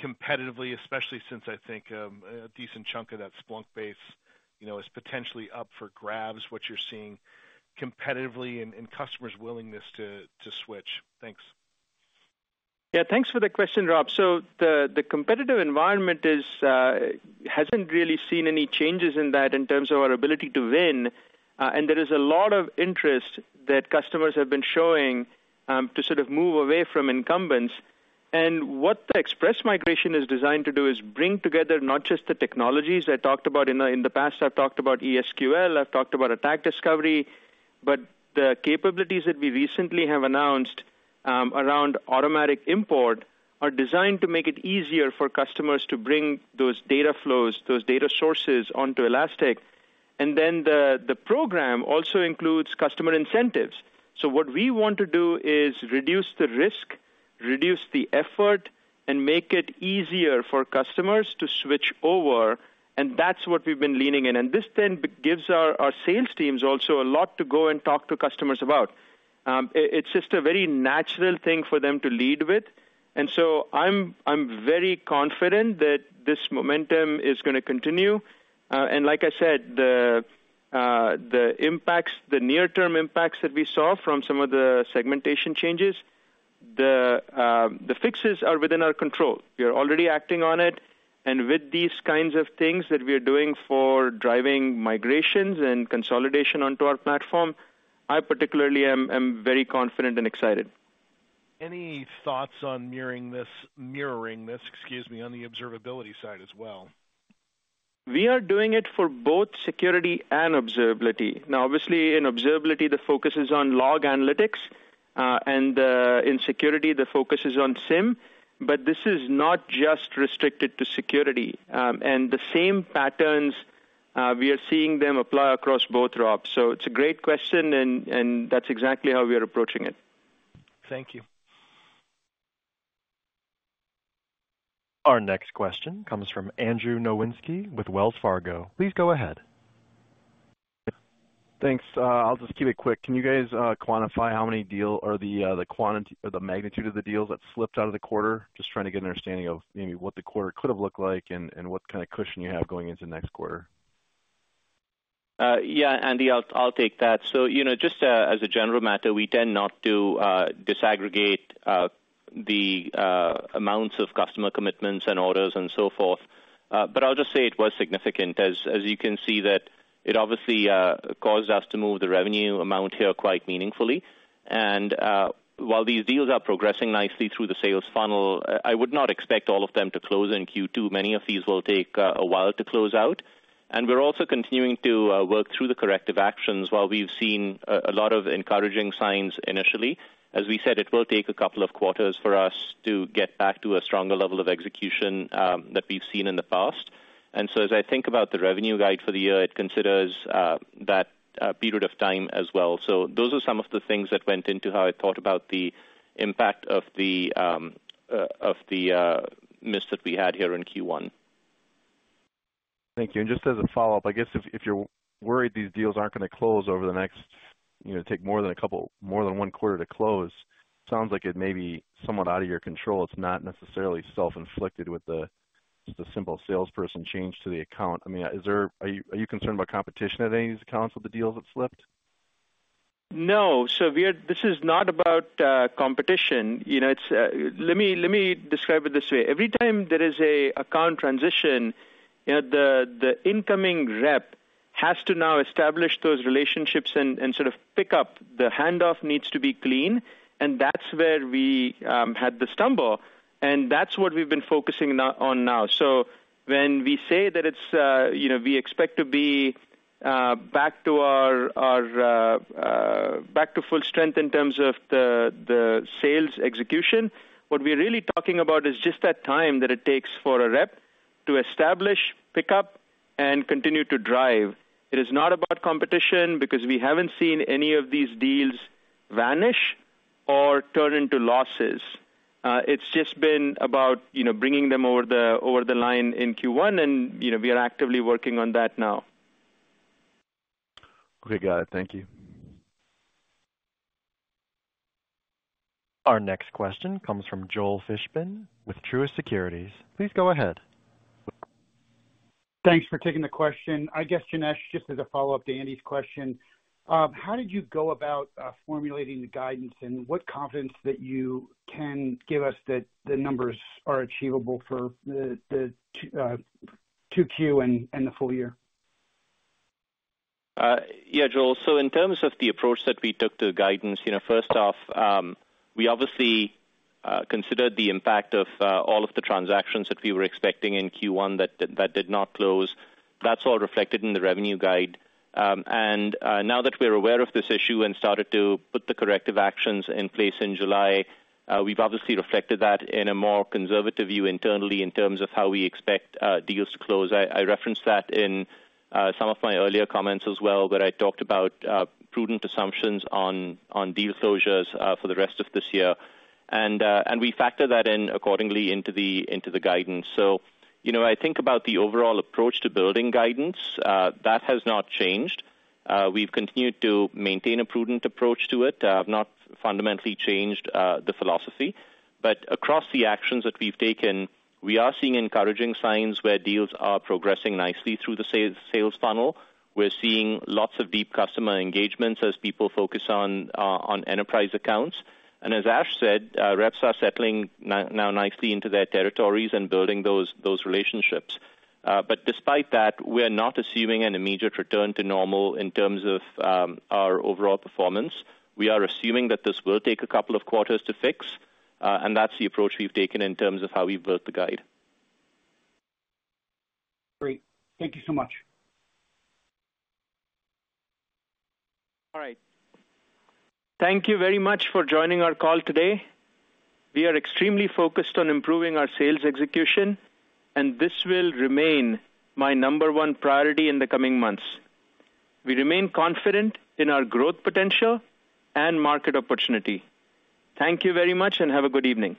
competitively, especially since I think, a decent chunk of that Splunk base, you know, is potentially up for grabs, what you're seeing competitively and, and customers' willingness to, to switch. Thanks. Yeah, thanks for the question, Rob. So the competitive environment hasn't really seen any changes in that in terms of our ability to win, and there is a lot of interest that customers have been showing to sort of move away from incumbents. And what the Express Migration is designed to do is bring together not just the technologies I talked about in the past. I've talked about ES|QL. I've talked about Attack Discovery. But the capabilities that we recently have announced around Automatic Import are designed to make it easier for customers to bring those data flows, those data sources onto Elastic. And then the program also includes customer incentives. So what we want to do is reduce the effort and make it easier for customers to switch over, and that's what we've been leaning in. And this then gives our sales teams also a lot to go and talk to customers about. It's just a very natural thing for them to lead with. And so I'm very confident that this momentum is going to continue. And like I said, the impacts, the near-term impacts that we saw from some of the segmentation changes, the fixes are within our control. We are already acting on it, and with these kinds of things that we are doing for driving migrations and consolidation onto our platform, I particularly am very confident and excited. Any thoughts on mirroring this, excuse me, on the observability side as well? We are doing it for both security and observability. Now, obviously, in observability, the focus is on log analytics, and, in security, the focus is on SIEM. But this is not just restricted to security. And the same patterns, we are seeing them apply across both RPOs. So it's a great question, and that's exactly how we are approaching it. Thank you. Our next question comes from Andrew Nowinski with Wells Fargo. Please go ahead. Thanks. I'll just keep it quick. Can you guys quantify how many deals or the quantity or the magnitude of the deals that slipped out of the quarter? Just trying to get an understanding of maybe what the quarter could have looked like and what kind of cushion you have going into the next quarter. Yeah, Andy, I'll take that. So, you know, just as a general matter, we tend not to disaggregate the amounts of customer commitments and orders and so forth. But I'll just say it was significant, as you can see, that it obviously caused us to move the revenue amount here quite meaningfully. And while these deals are progressing nicely through the sales funnel, I would not expect all of them to close in Q2. Many of these will take a while to close out, and we're also continuing to work through the corrective actions. While we've seen a lot of encouraging signs initially, as we said, it will take a couple of quarters for us to get back to a stronger level of execution that we've seen in the past. And so as I think about the revenue guide for the year, it considers that period of time as well. So those are some of the things that went into how I thought about the impact of the miss that we had here in Q1. Thank you. And just as a follow-up, I guess if you're worried these deals aren't going to close over the next, you know, take more than a couple, more than one quarter to close, sounds like it may be somewhat out of your control. It's not necessarily self-inflicted with the, just a simple salesperson change to the account. I mean, are you concerned about competition at any of these accounts with the deals that slipped? No. So we are. This is not about competition. You know, it's let me describe it this way. Every time there is a account transition, you know, the incoming rep has to now establish those relationships and sort of pick up. The handoff needs to be clean, and that's where we had the stumble, and that's what we've been focusing on now. So when we say that it's, you know, we expect to be back to our back to full strength in terms of the sales execution, what we're really talking about is just that time that it takes for a rep to establish, pick up, and continue to drive. It is not about competition because we haven't seen any of these deals vanish or turn into losses. It's just been about, you know, bringing them over the line in Q1, and, you know, we are actively working on that now. Okay, got it. Thank you. Our next question comes from Joel Fishbein with Truist Securities. Please go ahead. Thanks for taking the question. I guess, Janesh, just as a follow-up to Andy's question, how did you go about formulating the guidance, and what confidence that you can give us that the numbers are achievable for the 2Q and the full year? Yeah, Joel, so in terms of the approach that we took to guidance, you know, first off, we obviously considered the impact of all of the transactions that we were expecting in Q1 that did not close. That's all reflected in the revenue guide, and now that we're aware of this issue and started to put the corrective actions in place in July, we've obviously reflected that in a more conservative view internally in terms of how we expect deals to close. I referenced that in some of my earlier comments as well, where I talked about prudent assumptions on deal closures for the rest of this year, and we factor that in accordingly into the guidance. You know, I think about the overall approach to building guidance that has not changed. We've continued to maintain a prudent approach to it, have not fundamentally changed the philosophy. Across the actions that we've taken, we are seeing encouraging signs where deals are progressing nicely through the sales funnel. We're seeing lots of deep customer engagements as people focus on enterprise accounts. As Ash said, reps are settling nicely into their territories and building those relationships. Despite that, we are not assuming an immediate return to normal in terms of our overall performance. We are assuming that this will take a couple of quarters to fix, and that's the approach we've taken in terms of how we've built the guide. Great. Thank you so much. All right. Thank you very much for joining our call today. We are extremely focused on improving our sales execution, and this will remain my number one priority in the coming months. We remain confident in our growth potential and market opportunity. Thank you very much, and have a good evening.